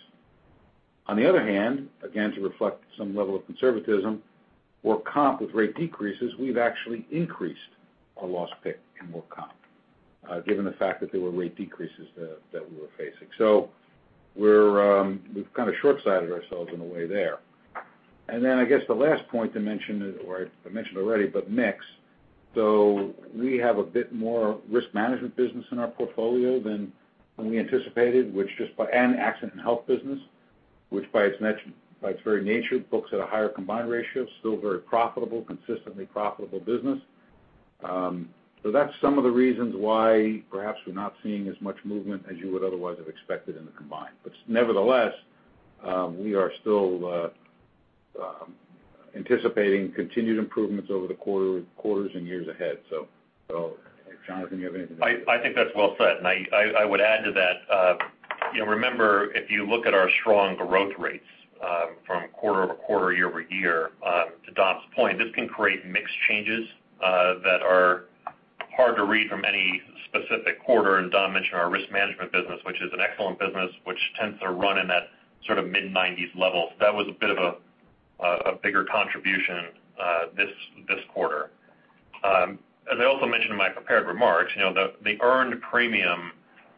[SPEAKER 3] On the other hand, again, to reflect some level of conservatism, we're comp with rate decreases, we've actually increased our loss pick in more comp, given the fact that there were rate decreases that we were facing. We've kind of short-sighted ourselves in a way there. I guess the last point to mention, or I mentioned already, but mix. We have a bit more risk management business in our portfolio than we anticipated, and accident and health business, which by its very nature, books at a higher combined ratio, still very profitable, consistently profitable business. That's some of the reasons why perhaps we're not seeing as much movement as you would otherwise have expected in the combined. Nevertheless, we are still anticipating continued improvements over the quarters and years ahead. Jon, if you have anything to add.
[SPEAKER 10] I think that's well said, and I would add to that. Remember, if you look at our strong growth rates from quarter-over-quarter, year-over-year, to Dom's point, this can create mixed changes that are hard to read from any specific quarter.
[SPEAKER 6] Dom mentioned our risk management business, which is an excellent business, which tends to run in that mid-90s level. That was a bit of a bigger contribution this quarter. As I also mentioned in my prepared remarks, the earned premium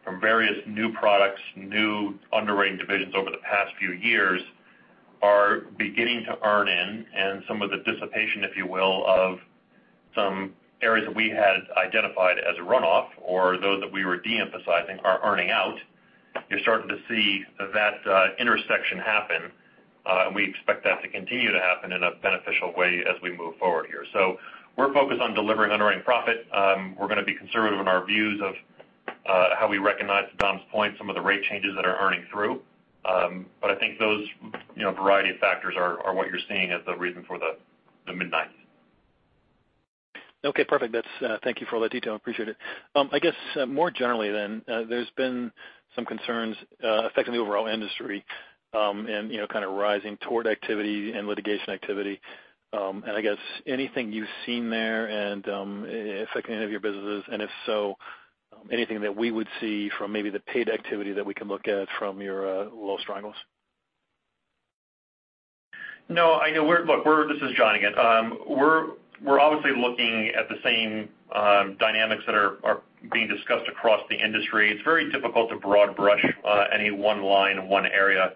[SPEAKER 6] from various new products, new underwriting divisions over the past few years are beginning to earn in, and some of the dissipation, if you will, of some areas that we had identified as a runoff or those that we were de-emphasizing are earning out. You're starting to see that intersection happen, and we expect that to continue to happen in a beneficial way as we move forward here. We're focused on delivering underwriting profit. We're going to be conservative in our views of how we recognize, to Dom's point, some of the rate changes that are earning through. I think those variety of factors are what you're seeing as the reason for the mid-90s.
[SPEAKER 9] Okay, perfect. Thank you for all that detail. Appreciate it. I guess, more generally, there's been some concerns affecting the overall industry, and rising tort activity and litigation activity. I guess, anything you've seen there and affecting any of your businesses, and if so, anything that we would see from maybe the paid activity that we can look at from your loss triangles?
[SPEAKER 5] No, I know. This is John again. We're obviously looking at the same dynamics that are being discussed across the industry. It's very difficult to broad brush any one line in one area.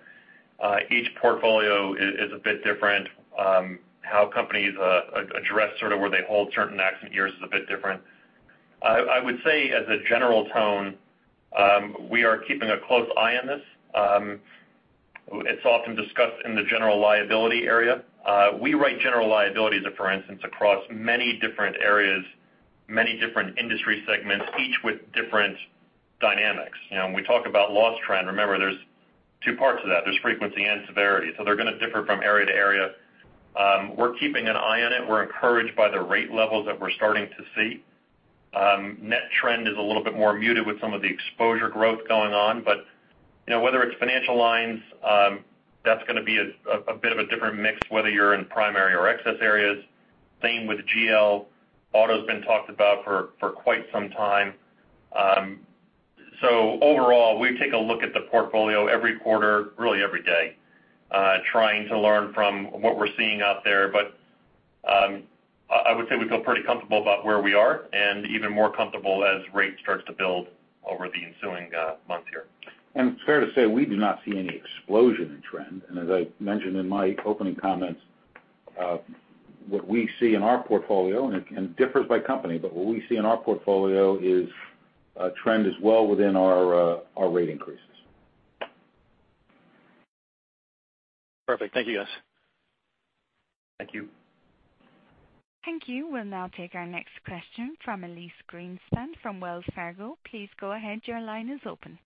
[SPEAKER 5] Each portfolio is a bit different. How companies address where they hold certain accident years is a bit different. I would say as a general tone, we are keeping a close eye on this. It's often discussed in the general liability area. We write general liabilities, for instance, across many different areas, many different industry segments, each with different dynamics. When we talk about loss trend, remember, there's two parts to that. There's frequency and severity. They're going to differ from area to area. We're keeping an eye on it. We're encouraged by the rate levels that we're starting to see. Net trend is a little bit more muted with some of the exposure growth going on. Whether it's financial lines, that's going to be a bit of a different mix, whether you're in primary or excess areas. Same with GL. Auto's been talked about for quite some time.
[SPEAKER 6] Overall, we take a look at the portfolio every quarter, really every day, trying to learn from what we're seeing out there. I would say we feel pretty comfortable about where we are, and even more comfortable as rate starts to build over the ensuing months here.
[SPEAKER 3] It's fair to say we do not see any explosion in trend. As I mentioned in my opening comments, what we see in our portfolio, and it can differ by company, but what we see in our portfolio is a trend is well within our rate increases.
[SPEAKER 9] Perfect. Thank you, guys.
[SPEAKER 6] Thank you.
[SPEAKER 1] Thank you. We'll now take our next question from Elyse Greenspan from Wells Fargo. Please go ahead. Your line is open.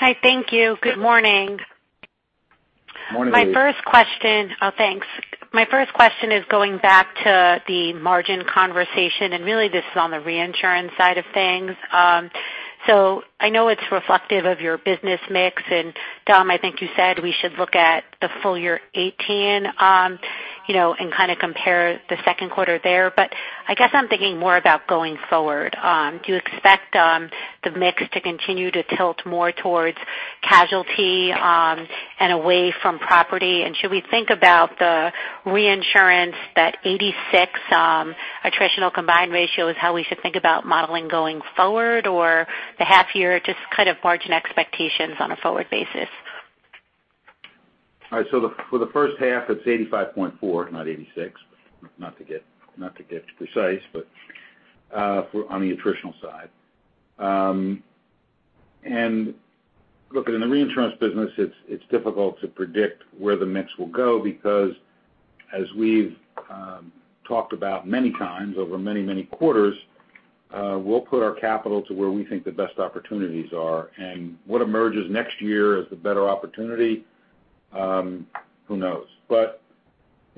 [SPEAKER 11] Hi, thank you. Good morning.
[SPEAKER 3] Morning, Elyse.
[SPEAKER 11] Thanks. My first question is going back to the margin conversation, and really this is on the reinsurance side of things. I know it's reflective of your business mix, and Dom, I think you said we should look at the full year 2018 and compare the second quarter there. I guess I'm thinking more about going forward. Do you expect the mix to continue to tilt more towards casualty and away from property? Should we think about the reinsurance, that 86% attritional combined ratio is how we should think about modeling going forward, or the half year just kind of margin expectations on a forward basis?
[SPEAKER 3] All right. For the first half, it's 85.4, not 86, not to get precise, but on the attritional side. Look, in the reinsurance business, it's difficult to predict where the mix will go because as we've talked about many times over many, many quarters, we'll put our capital to where we think the best opportunities are and what emerges next year as the better opportunity, who knows?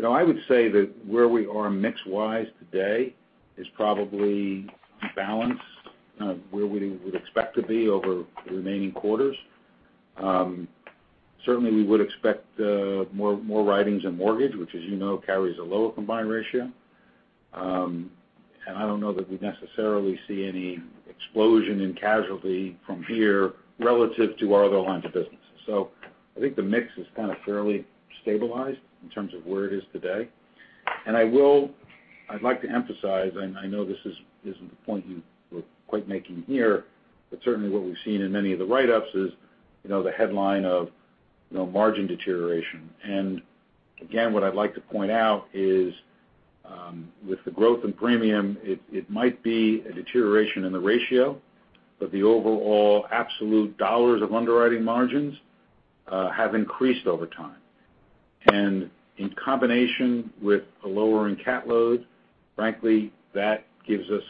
[SPEAKER 3] I would say that where we are mix-wise today is probably balanced where we would expect to be over the remaining quarters. Certainly, we would expect more writings in mortgage, which as you know, carries a lower combined ratio. I don't know that we necessarily see any explosion in casualty from here relative to our other lines of business. I think the mix is kind of fairly stabilized in terms of where it is today. I'd like to emphasize, and I know this isn't the point you were quite making here, but certainly what we've seen in many of the write-ups is the headline of margin deterioration. Again, what I'd like to point out is, with the growth in premium, it might be a deterioration in the ratio, but the overall absolute dollars of underwriting margins have increased over time. In combination with a lower in CAT load, frankly, that gives us,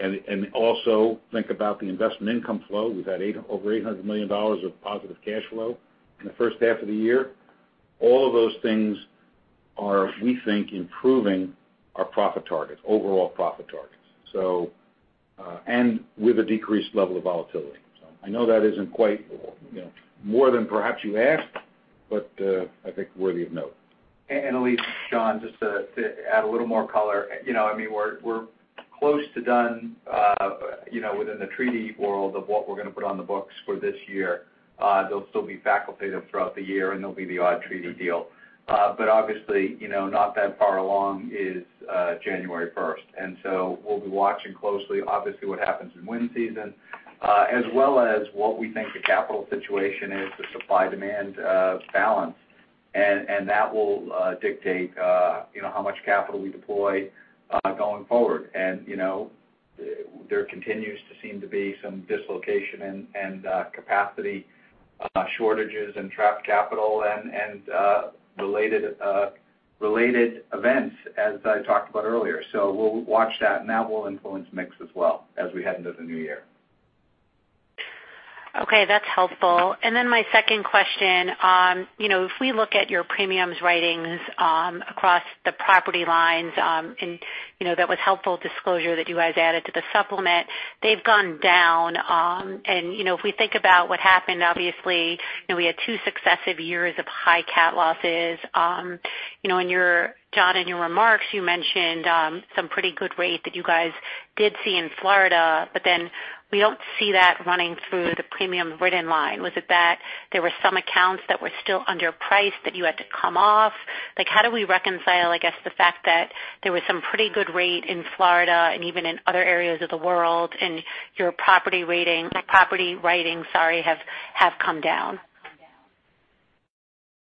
[SPEAKER 3] and also think about the investment income flow. We've had over $800 million of positive cash flow in the first half of the year. All of those things are, we think, improving our overall profit targets, and with a decreased level of volatility. I know that isn't quite, more than perhaps you asked, but I think worthy of note.
[SPEAKER 5] Elyse, John, just to add a little more color. We're close to done within the treaty world of what we're going to put on the books for this year. There'll still be facultative throughout the year, and there'll be the odd treaty deal. Obviously, not that far along is January 1st, we'll be watching closely, obviously, what happens in wind season, as well as what we think the capital situation is, the supply-demand balance. That will dictate how much capital we deploy going forward. There continues to seem to be some dislocation and capacity shortages and trapped capital and related events as I talked about earlier. We'll watch that will influence mix as well as we head into the new year.
[SPEAKER 11] Okay, that's helpful. My second question, if we look at your premiums writings across the property lines, and that was helpful disclosure that you guys added to the supplement. They've gone down, and if we think about what happened, obviously, we had two successive years of high CAT losses. John, in your remarks, you mentioned some pretty good rate that you guys did see in Florida, but then we don't see that running through the premium written line. Was it that there were some accounts that were still underpriced that you had to come off? How do we reconcile, I guess, the fact that there was some pretty good rate in Florida and even in other areas of the world, and your property writings have come down?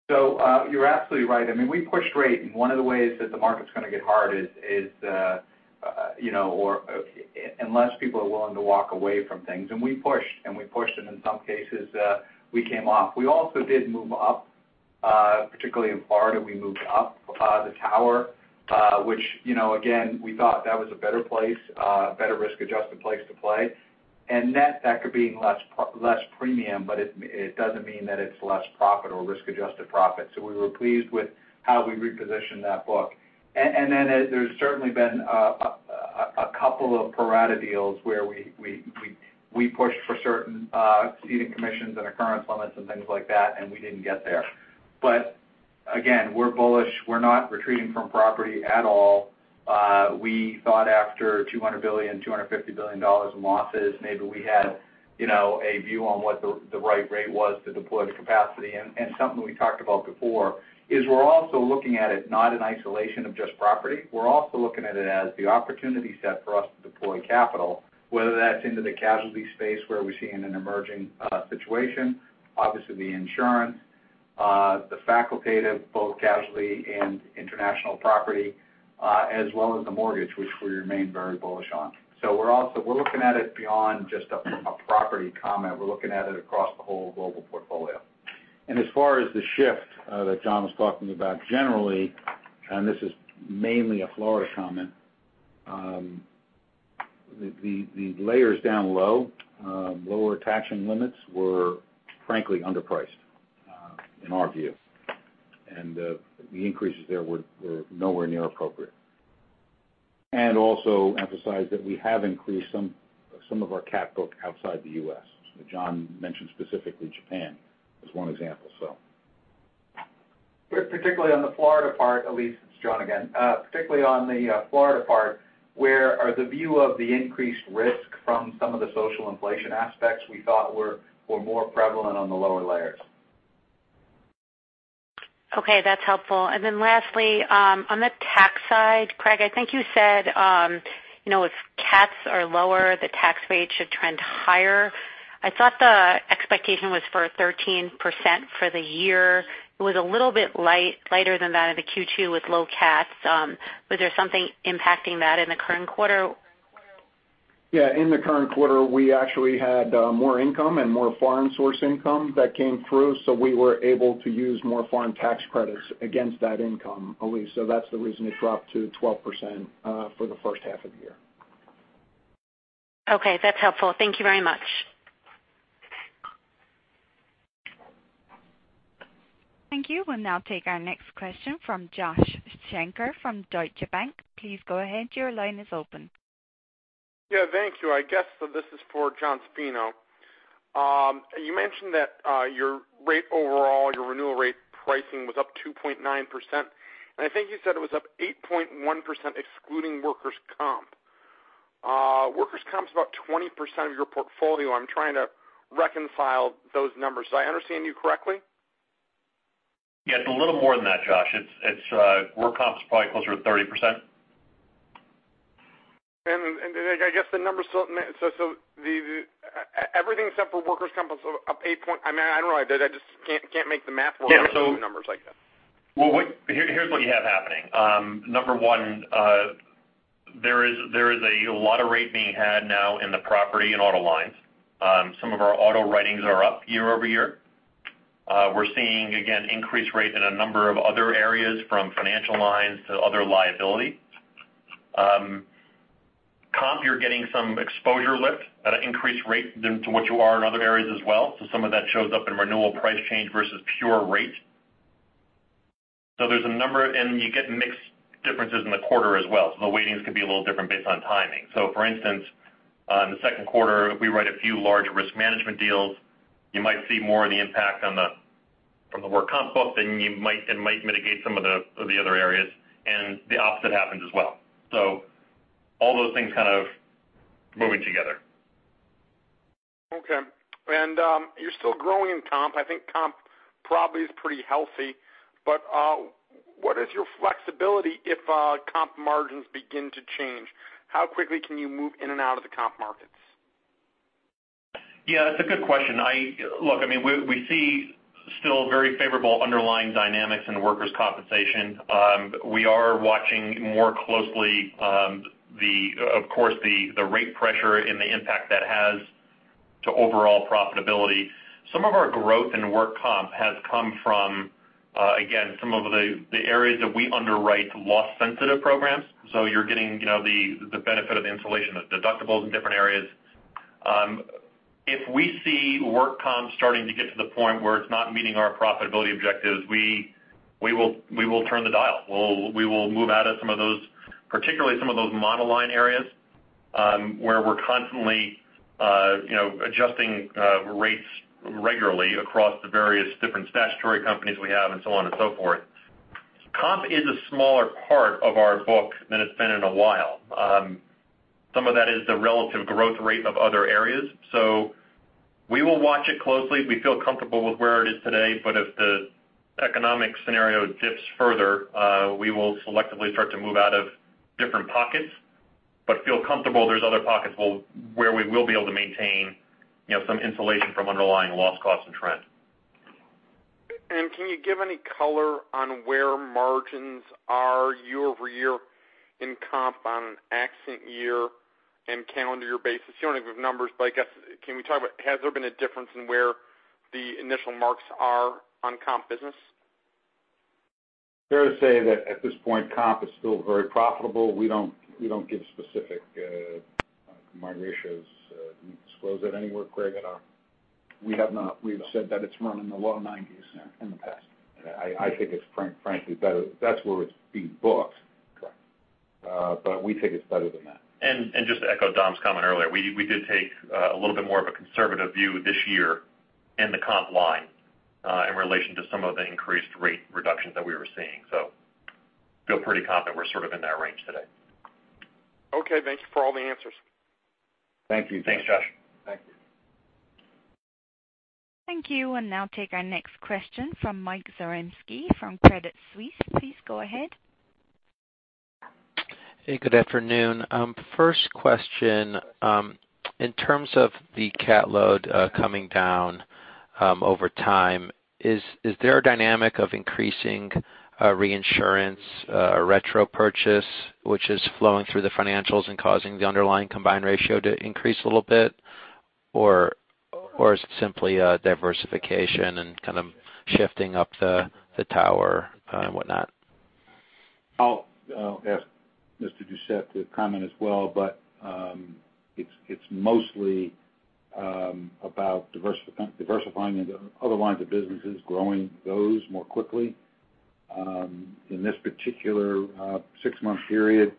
[SPEAKER 5] You're absolutely right. We pushed rate, and one of the ways that the market's going to get hard is unless people are willing to walk away from things. We pushed, and we pushed, and in some cases, we came off. We also did move up, particularly in Florida, we moved up the tower, which, again, we thought that was a better risk-adjusted place to play. Net, that could mean less premium, but it doesn't mean that it's less profit or risk-adjusted profit. We were pleased with how we repositioned that book. Then there's certainly been a couple of pro-rata deals where we pushed for certain ceding commissions and occurrence limits and things like that, and we didn't get there. Again, we're bullish. We're not retreating from property at all. We thought after $200 billion, $250 billion in losses, maybe we had a view on what the right rate was to deploy the capacity. Something we talked about before is we're also looking at it not in isolation of just property. We're also looking at it as the opportunity set for us to deploy capital, whether that's into the casualty space where we're seeing an emerging situation, obviously the insurance, the facultative, both casualty and international property, as well as the mortgage, which we remain very bullish on. We're looking at it beyond just a property comment. We're looking at it across the whole global portfolio.
[SPEAKER 3] As far as the shift that John was talking about generally, this is mainly a Florida comment. The layers down low, lower attaching limits were frankly underpriced, in our view. The increases there were nowhere near appropriate. Also emphasize that we have increased some of our CAT book outside the U.S. John mentioned specifically Japan as one example.
[SPEAKER 5] John again. Particularly on the Florida part, where the view of the increased risk from some of the social inflation aspects we thought were more prevalent on the lower layers.
[SPEAKER 11] Okay, that's helpful. Lastly, on the tax side, Craig, I think you said if CATs are lower, the tax rate should trend higher. I thought the expectation was for 13% for the year. It was a little bit lighter than that in the Q2 with low CATs. Was there something impacting that in the current quarter?
[SPEAKER 3] In the current quarter, we actually had more income and more foreign source income that came through, so we were able to use more foreign tax credits against that income, Elyse. That's the reason it dropped to 12% for the first half of the year.
[SPEAKER 4] Okay, that's helpful. Thank you very much.
[SPEAKER 1] Thank you. We'll now take our next question from Josh Shanker Bank of America. Please go ahead. Your line is open.
[SPEAKER 12] Yeah, thank you. I guess this is for John Zaffino. You mentioned that your rate overall, your renewal rate pricing was up 2.9%, and I think you said it was up 8.1% excluding workers' comp. Workers' comp is about 20% of your portfolio. I'm trying to reconcile those numbers. Did I understand you correctly?
[SPEAKER 10] Yeah, it's a little more than that, Josh. Work comp's probably closer to 30%.
[SPEAKER 12] I guess the numbers. Everything except for workers' comp is up 8 point I don't know. I just can't make the math work.
[SPEAKER 10] Yeah.
[SPEAKER 12] -with numbers like that.
[SPEAKER 6] Here's what you have happening. Number 1, there is a lot of rate being had now in the property and auto lines. Some of our auto writings are up year-over-year. We're seeing, again, increased rate in a number of other areas, from financial lines to other liability. Comp, you're getting some exposure lift at an increased rate to what you are in other areas as well. Some of that shows up in renewal price change versus pure rate. There's a number, and you get mixed differences in the quarter as well. The weightings could be a little different based on timing. For instance, in the second quarter, we write a few large risk management deals. You might see more of the impact from the work comp book than it might mitigate some of the other areas, and the opposite happens as well. All those things kind of moving together.
[SPEAKER 12] Okay. You're still growing in comp. I think comp probably is pretty healthy, what is your flexibility if comp margins begin to change? How quickly can you move in and out of the comp markets?
[SPEAKER 6] We see still very favorable underlying dynamics in the workers' compensation. We are watching more closely, of course, the rate pressure and the impact that has to overall profitability. Some of our growth in work comp has come from, again, some of the areas that we underwrite to loss-sensitive programs. You're getting the benefit of the insulation of deductibles in different areas. If we see work comp starting to get to the point where it's not meeting our profitability objectives, we will turn the dial. We will move out of some of those, particularly some of those monoline areas, where we're constantly adjusting rates regularly across the various different statutory companies we have and so on and so forth. Comp is a smaller part of our book than it's been in a while. Some of that is the relative growth rate of other areas. We will watch it closely. We feel comfortable with where it is today, if the economic scenario dips further, we will selectively start to move out of different pockets, but feel comfortable there's other pockets where we will be able to maintain some insulation from underlying loss costs and trend.
[SPEAKER 12] Can you give any color on where margins are year-over-year in comp on an accident year and calendar year basis? You don't have to give numbers, but I guess, can we talk about, has there been a difference in where the initial marks are on comp business?
[SPEAKER 3] Fair to say that at this point, comp is still very profitable. We don't give specific margin ratios. Do we disclose that anywhere, Craig, at our?
[SPEAKER 4] We have not. We've said that it's running the low nineties in the past.
[SPEAKER 3] I think it's frankly better. That's where it's being booked.
[SPEAKER 4] Correct.
[SPEAKER 3] We think it's better than that.
[SPEAKER 10] Just to echo Dom's comment earlier, we did take a little bit more of a conservative view this year in the comp line, in relation to some of the increased rate reductions that we were seeing. We feel pretty confident we're sort of in that range today.
[SPEAKER 12] Okay. Thank you for all the answers.
[SPEAKER 3] Thank you.
[SPEAKER 10] Thanks, Josh.
[SPEAKER 3] Thank you.
[SPEAKER 1] Thank you. We'll now take our next question from Mike Zaremski from Credit Suisse. Please go ahead.
[SPEAKER 13] Hey, good afternoon. First question, in terms of the cat load coming down over time, is there a dynamic of increasing reinsurance retro purchase which is flowing through the financials and causing the underlying combined ratio to increase a little bit? Or is it simply a diversification and kind of shifting up the tower and whatnot?
[SPEAKER 3] I'll ask Mr. Doucette to comment as well, but it's mostly about diversifying into other lines of businesses, growing those more quickly. In this particular six-month period,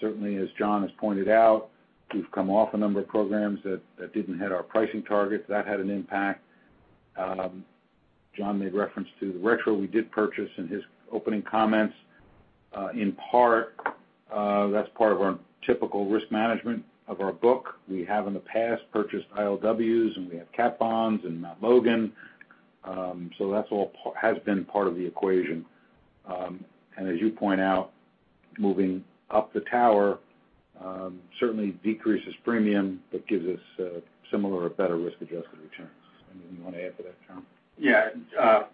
[SPEAKER 3] certainly as John has pointed out, we've come off a number of programs that didn't hit our pricing targets. That had an impact. John made reference to the retro we did purchase in his opening comments. In part, that's part of our typical risk management of our book. We have in the past purchased ILWs, and we have cat bonds in Mt. Logan. That all has been part of the equation. As you point out, moving up the tower certainly decreases premium but gives us similar or better risk-adjusted returns. You want to add to that, John?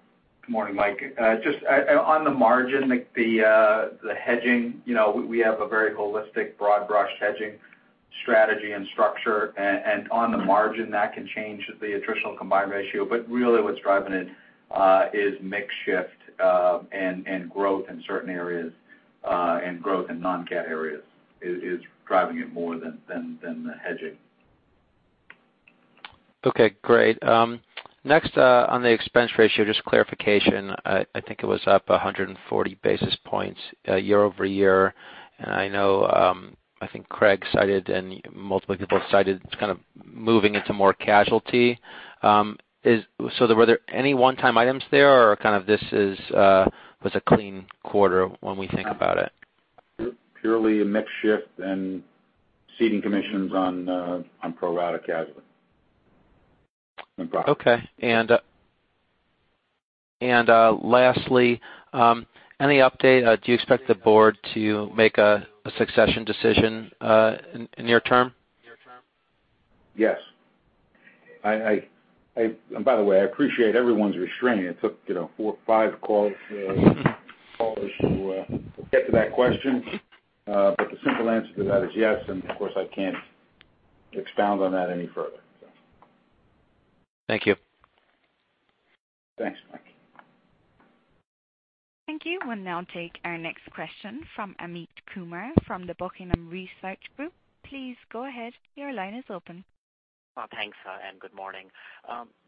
[SPEAKER 5] Good morning, Mike. Just on the margin, the hedging, we have a very holistic, broad-brush hedging strategy and structure. On the margin, that can change the attritional combined ratio, but really what's driving it is mix shift and growth in certain areas, and growth in non-GAAP areas is driving it more than the hedging.
[SPEAKER 13] Okay, great. Next, on the expense ratio, just clarification. I think it was up 140 basis points year-over-year. I know, I think Craig cited and multiple people have cited, it's kind of moving into more casualty. Were there any one-time items there, or kind of this was a clean quarter when we think about it?
[SPEAKER 3] Purely a mix shift and ceding commissions on pro-rata casualty.
[SPEAKER 13] Okay. Lastly, any update? Do you expect the board to make a succession decision in near term?
[SPEAKER 3] Yes. By the way, I appreciate everyone's restraint. It took four or five calls to get to that question. The simple answer to that is yes. Of course, I can't expound on that any further.
[SPEAKER 13] Thank you.
[SPEAKER 3] Thanks, Mike.
[SPEAKER 1] Thank you. We'll now take our next question from Amit Kumar from the Buckingham Research Group. Please go ahead, your line is open.
[SPEAKER 14] Thanks, good morning.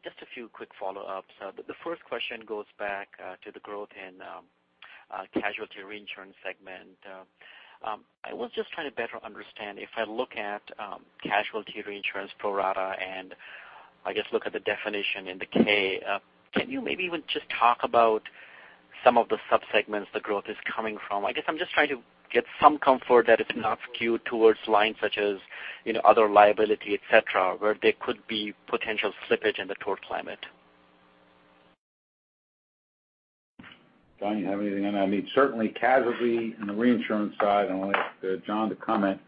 [SPEAKER 14] Just a few quick follow-ups. The first question goes back to the growth in casualty reinsurance segment. I was just trying to better understand, if I look at casualty reinsurance pro-rata and I guess look at the definition in the K, can you maybe even just talk about some of the sub-segments the growth is coming from? I guess I'm just trying to get some comfort that it's not skewed towards lines such as other liability, et cetera, where there could be potential slippage in the tort climate.
[SPEAKER 3] John, you have anything on that? I mean, certainly casualty in the reinsurance side, I want to ask John to comment.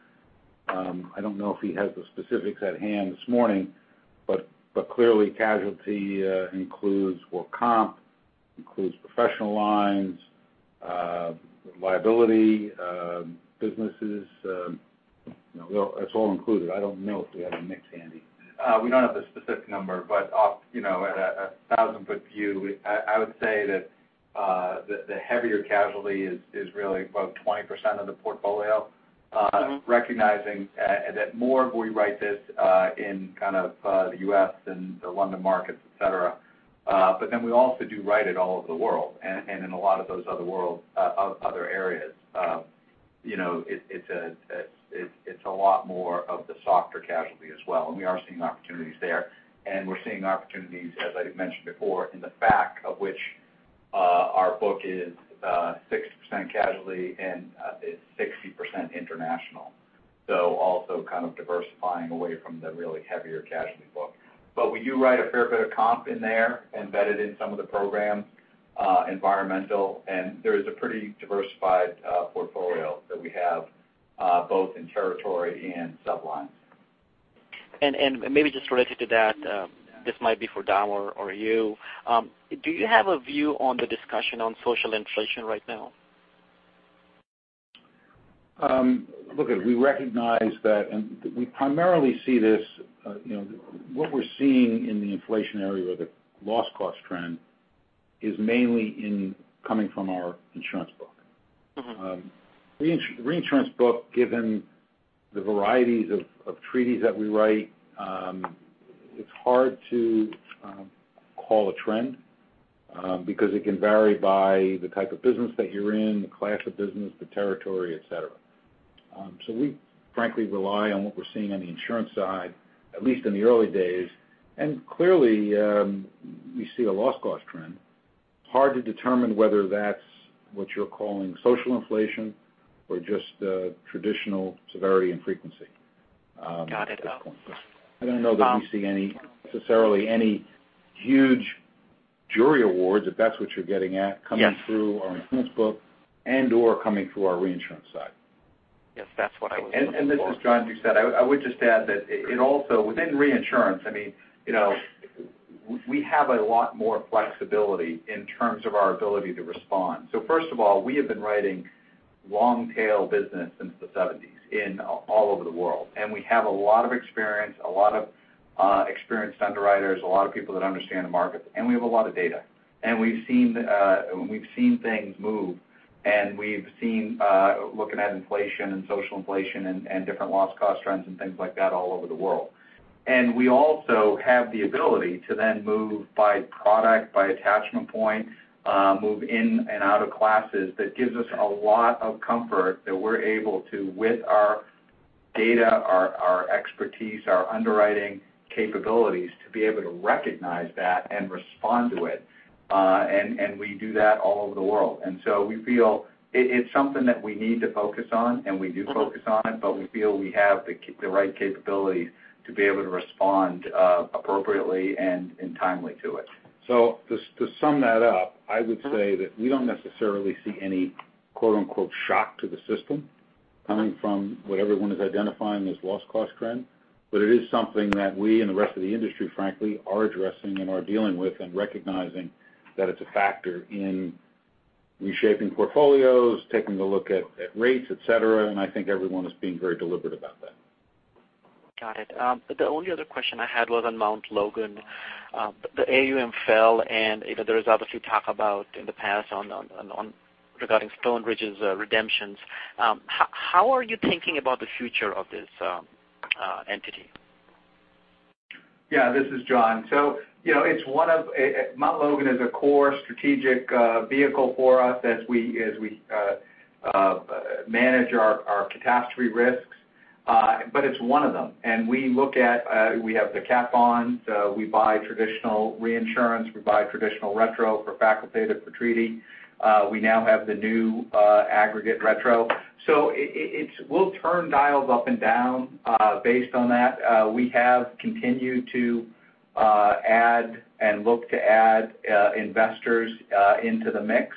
[SPEAKER 3] I don't know if he has the specifics at hand this morning, but clearly casualty includes work comp, includes professional lines, liability businesses. It's all included. I don't know if we have the mix handy.
[SPEAKER 5] We don't have the specific number. At a 1,000-foot view, I would say that the heavier casualty is really about 20% of the portfolio, recognizing that more we write this in kind of the U.S. and the London markets, et cetera. We also do write it all over the world, and in a lot of those other areas it's a lot more of the softer casualty as well, and we are seeing opportunities there. We're seeing opportunities, as I mentioned before, in the fact of which our book is 60% casualty and is 60% international. Also kind of diversifying away from the really heavier casualty book. We do write a fair bit of comp in there embedded in some of the programs, environmental, and there is a pretty diversified portfolio that we have both in territory and sub-lines.
[SPEAKER 14] Maybe just related to that, this might be for Dom or you. Do you have a view on the discussion on social inflation right now?
[SPEAKER 3] Look, we recognize that, and we primarily see this, what we're seeing in the inflation area or the loss cost trend is mainly coming from our insurance book. Reinsurance book, given the varieties of treaties that we write, it's hard to call a trend, because it can vary by the type of business that you're in, the class of business, the territory, et cetera. We frankly rely on what we're seeing on the insurance side, at least in the early days. Clearly, we see a loss cost trend. Hard to determine whether that's what you're calling social inflation or just traditional severity and frequency at this point.
[SPEAKER 14] Got it.
[SPEAKER 3] I don't know that we see necessarily any huge jury awards, if that's what you're getting at.
[SPEAKER 14] Yes
[SPEAKER 3] coming through our insurance book and/or coming through our reinsurance side.
[SPEAKER 14] Yes, that's what I was looking for.
[SPEAKER 5] This is John Doucette. I would just add that it also, within reinsurance, we have a lot more flexibility in terms of our ability to respond. First of all, we have been writing long-tail business since the 1970s in all over the world, and we have a lot of experience, a lot of experienced underwriters, a lot of people that understand the markets, and we have a lot of data. We've seen things move, and we've seen, looking at inflation and social inflation and different loss cost trends and things like that all over the world. We also have the ability to then move by product, by attachment point, move in and out of classes. That gives us a lot of comfort that we're able to, with our data, our expertise, our underwriting capabilities, to be able to recognize that and respond to it. We do that all over the world. We feel it's something that we need to focus on, and we do focus on it, but we feel we have the right capabilities to be able to respond appropriately and timely to it.
[SPEAKER 3] To sum that up, I would say that we don't necessarily see any "shock to the system. Coming from what everyone is identifying as loss cost trend. It is something that we and the rest of the industry, frankly, are addressing and are dealing with and recognizing that it's a factor in reshaping portfolios, taking a look at rates, et cetera, and I think everyone is being very deliberate about that.
[SPEAKER 14] Got it. The only other question I had was on Mt. Logan. The AUM fell, and there is obviously talk about in the past regarding Stone Ridge's redemptions. How are you thinking about the future of this entity?
[SPEAKER 5] Yeah, this is John. Mt. Logan is a core strategic vehicle for us as we manage our catastrophe risks, but it's one of them. We have the cat bonds, we buy traditional reinsurance, we buy traditional retro for facultative, for treaty. We now have the new aggregate retro. We'll turn dials up and down based on that. We have continued to add and look to add investors into the mix.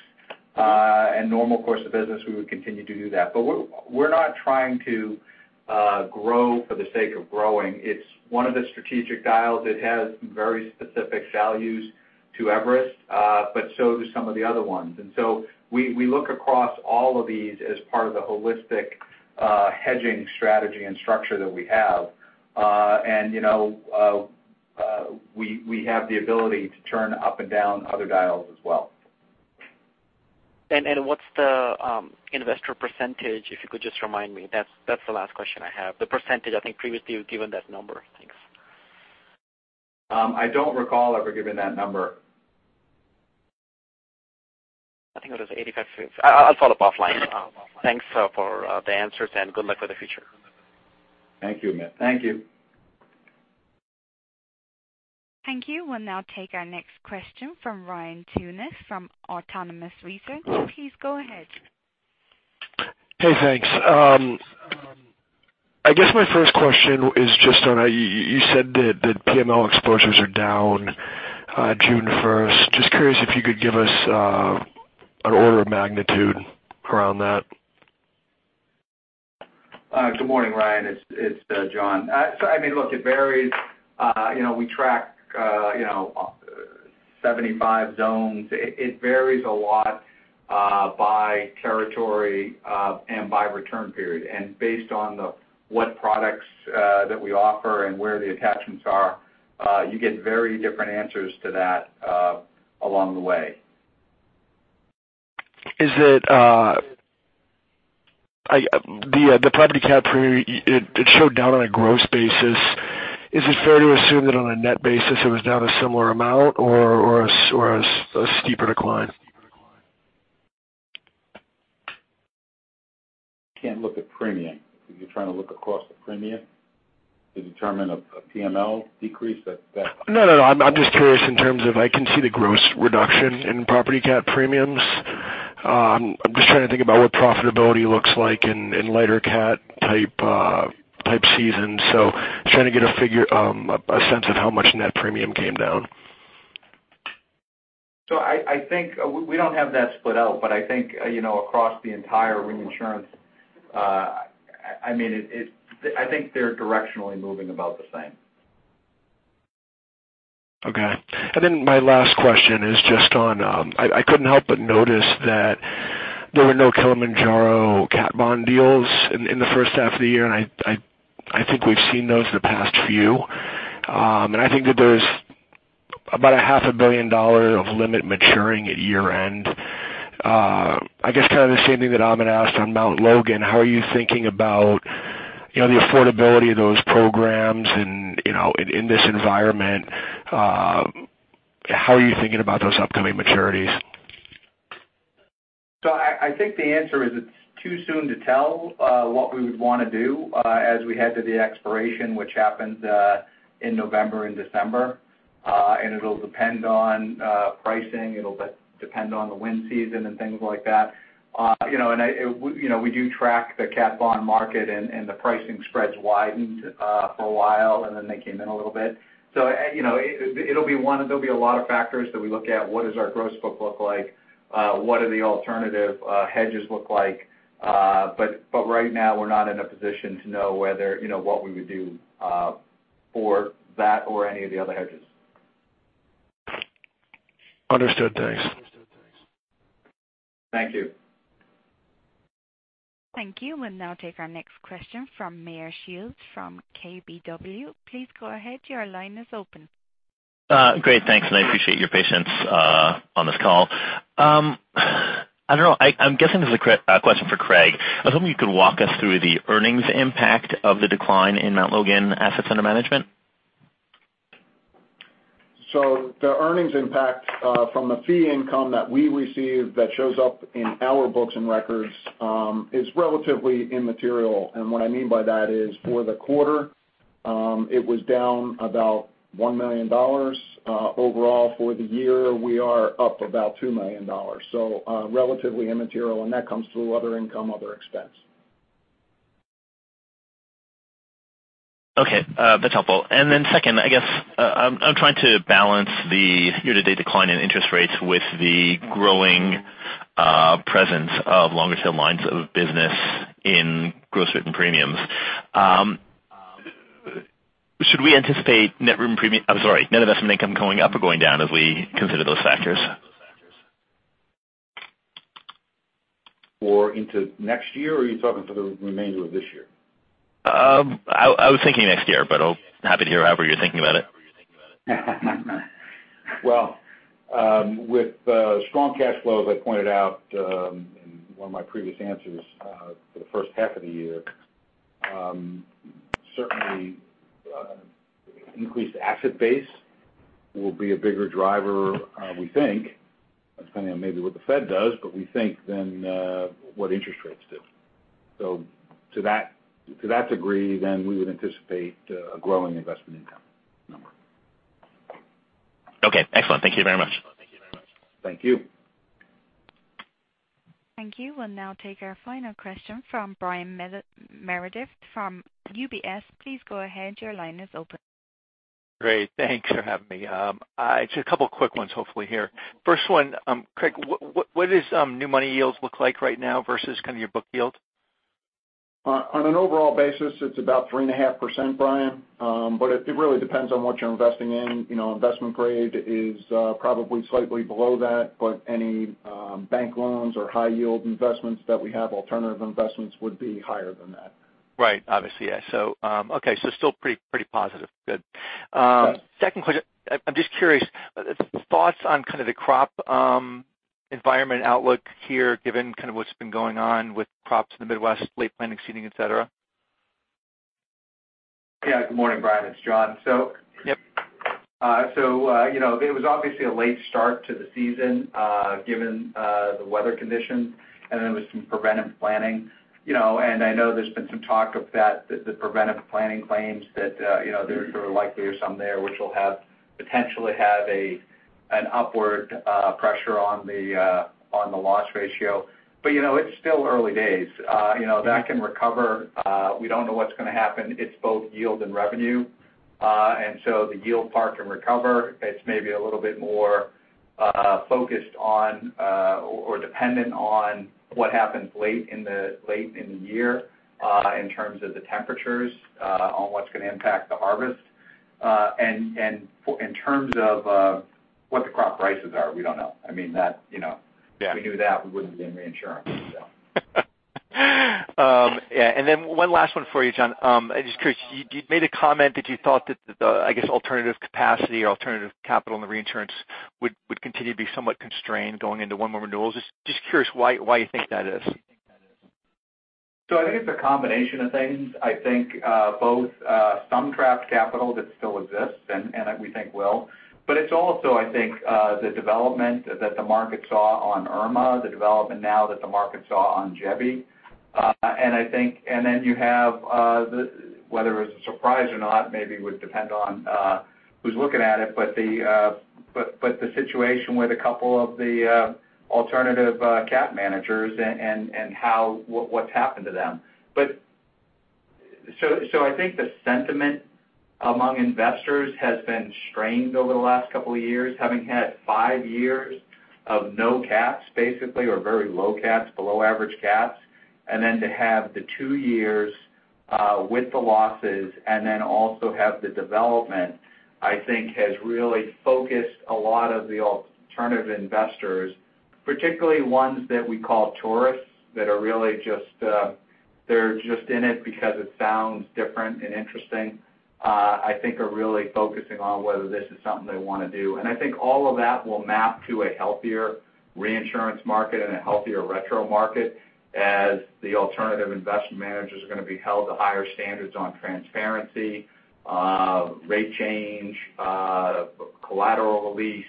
[SPEAKER 5] In normal course of business, we would continue to do that. We're not trying to grow for the sake of growing. It's one of the strategic dials that has very specific values to Everest, so do some of the other ones. We look across all of these as part of the holistic hedging strategy and structure that we have. We have the ability to turn up and down other dials as well.
[SPEAKER 14] What's the investor percentage, if you could just remind me? That's the last question I have. The percentage, I think previously you've given that number. Thanks.
[SPEAKER 5] I don't recall ever giving that number.
[SPEAKER 14] I think it was 85 or so. I'll follow up offline. Thanks for the answers and good luck for the future.
[SPEAKER 5] Thank you, Amit.
[SPEAKER 4] Thank you.
[SPEAKER 1] Thank you. We'll now take our next question from Ryan Tunis from Autonomous Research. Please go ahead.
[SPEAKER 15] Hey, thanks. I guess my first question is just on, you said that PML exposures are down June 1st. Just curious if you could give us an order of magnitude around that?
[SPEAKER 5] Good morning, Ryan. It's John. Look, it varies. We track 75 zones. It varies a lot by territory and by return period. Based on what products that we offer and where the attachments are, you get very different answers to that along the way.
[SPEAKER 15] The property cat premium, it showed down on a gross basis. Is it fair to assume that on a net basis it was down a similar amount or a steeper decline?
[SPEAKER 5] Can't look at premium. You're trying to look across the premium to determine a PML decrease?
[SPEAKER 15] No, I'm just curious in terms of, I can see the gross reduction in property cat premiums. I'm just trying to think about what profitability looks like in lighter cat type season, just trying to get a sense of how much net premium came down.
[SPEAKER 5] I think we don't have that split out, but I think, across the entire reinsurance, I think they're directionally moving about the same.
[SPEAKER 15] Okay. My last question is just on, I couldn't help but notice that there were no Kilimanjaro cat bond deals in the first half of the year. I think we've seen those the past few. I think that there's about a half a billion dollar of limit maturing at year-end. I guess kind of the same thing that Amit asked on Mt. Logan, how are you thinking about the affordability of those programs and in this environment, how are you thinking about those upcoming maturities?
[SPEAKER 5] I think the answer is it's too soon to tell what we would want to do as we head to the expiration, which happens in November and December. It'll depend on pricing, it'll depend on the wind season and things like that. We do track the cat bond market and the pricing spreads widened for a while, and then they came in a little bit. There'll be a lot of factors that we look at. What does our gross book look like? What do the alternative hedges look like? Right now, we're not in a position to know what we would do for that or any of the other hedges.
[SPEAKER 15] Understood. Thanks.
[SPEAKER 5] Thank you.
[SPEAKER 1] Thank you. We'll now take our next question from Meyer Shields from KBW. Please go ahead, your line is open.
[SPEAKER 16] Great. Thanks, I appreciate your patience on this call. I don't know, I'm guessing this is a question for Craig. I was hoping you could walk us through the earnings impact of the decline in Mt. Logan Re AUM.
[SPEAKER 4] The earnings impact from the fee income that we receive that shows up in our books and records is relatively immaterial. What I mean by that is, for the quarter, it was down about $1 million. Overall for the year, we are up about $2 million. Relatively immaterial, and that comes through other income, other expense.
[SPEAKER 16] Okay, that's helpful. Second, I'm trying to balance the year-to-date decline in interest rates with the growing presence of longer tail lines of business in gross written premiums. Should we anticipate net investment income going up or going down as we consider those factors?
[SPEAKER 4] For into next year, or are you talking for the remainder of this year?
[SPEAKER 16] I was thinking next year, but happy to hear however you're thinking about it.
[SPEAKER 4] Well, with strong cash flows, I pointed out in one of my previous answers, for the first half of the year. Certainly, increased asset base will be a bigger driver, we think, depending on maybe what the Fed does, but we think then what interest rates do. To that degree, then we would anticipate a growing investment income number.
[SPEAKER 16] Okay, excellent. Thank you very much.
[SPEAKER 4] Thank you.
[SPEAKER 1] Thank you. We'll now take our final question from Brian Meredith from UBS. Please go ahead. Your line is open.
[SPEAKER 17] Great. Thanks for having me. Just a couple of quick ones, hopefully, here. First one, Craig, what does new money yields look like right now versus kind of your book yield?
[SPEAKER 4] On an overall basis, it's about 3.5%, Brian. It really depends on what you're investing in. Investment grade is probably slightly below that, but any bank loans or high yield investments that we have, alternative investments would be higher than that.
[SPEAKER 17] Right. Obviously, yeah. Okay. Still pretty positive, good.
[SPEAKER 4] Yes.
[SPEAKER 17] Second question, I'm just curious, thoughts on kind of the crop environment outlook here, given kind of what's been going on with crops in the Midwest, late planting, seeding, et cetera?
[SPEAKER 5] Yeah. Good morning, Brian. It's John.
[SPEAKER 17] Yep.
[SPEAKER 5] It was obviously a late start to the season given the weather conditions, there was some preventive planning. I know there's been some talk of that, the preventive planning claims that there likely are some there which will potentially have an upward pressure on the loss ratio. It's still early days. That can recover. We don't know what's going to happen. It's both yield and revenue. The yield part can recover. It's maybe a little bit more focused on or dependent on what happens late in the year in terms of the temperatures on what's going to impact the harvest. In terms of what the crop prices are, we don't know. If we knew that, we wouldn't be in reinsurance.
[SPEAKER 17] Yeah. One last one for you, John. You made a comment that you thought that the alternative capacity or alternative capital in the reinsurance would continue to be somewhat constrained going into one more renewal. Just curious why you think that is.
[SPEAKER 5] I think it's a combination of things. I think both some trapped capital that still exists and that we think will. It's also, I think, the development that the market saw on Irma, the development now that the market saw on Jebi. Then you have, whether it's a surprise or not, maybe would depend on who's looking at it, but the situation with a couple of the alternative cat managers and what's happened to them. I think the sentiment among investors has been strained over the last couple of years, having had five years of no cats, basically, or very low cats, below average cats. Then to have the two years with the losses and then also have the development, I think has really focused a lot of the alternative investors, particularly ones that we call tourists, that are really just in it because it sounds different and interesting, I think are really focusing on whether this is something they want to do. I think all of that will map to a healthier reinsurance market and a healthier retro market as the alternative investment managers are going to be held to higher standards on transparency, rate change, collateral release,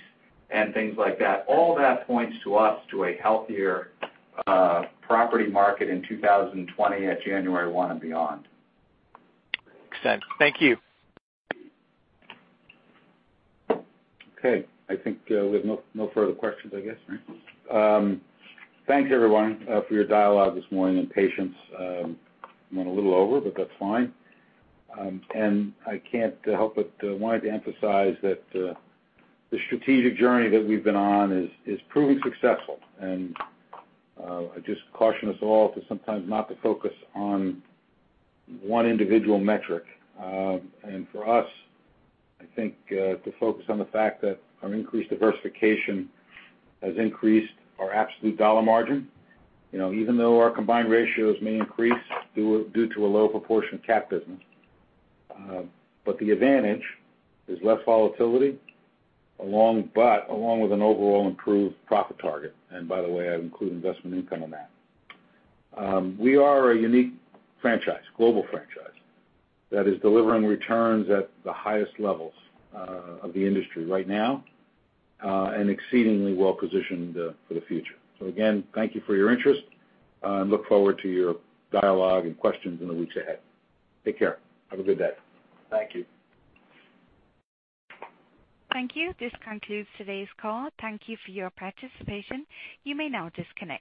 [SPEAKER 5] and things like that. All that points to us to a healthier property market in 2020 at January one and beyond.
[SPEAKER 17] Makes sense. Thank you.
[SPEAKER 3] Okay. I think we have no further questions, I guess, right? Thanks, everyone, for your dialogue this morning and patience. Went a little over, but that's fine. I can't help but wanted to emphasize that the strategic journey that we've been on is proving successful. I just caution us all to sometimes not to focus on one individual metric. For us, I think to focus on the fact that our increased diversification has increased our absolute dollar margin. Even though our combined ratios may increase due to a low proportion cat business. The advantage is less volatility, but along with an overall improved profit target. By the way, I include investment income in that. We are a unique franchise, global franchise, that is delivering returns at the highest levels of the industry right now, and exceedingly well-positioned for the future. Again, thank you for your interest, and look forward to your dialogue and questions in the weeks ahead. Take care. Have a good day.
[SPEAKER 5] Thank you.
[SPEAKER 1] Thank you. This concludes today's call. Thank you for your participation. You may now disconnect.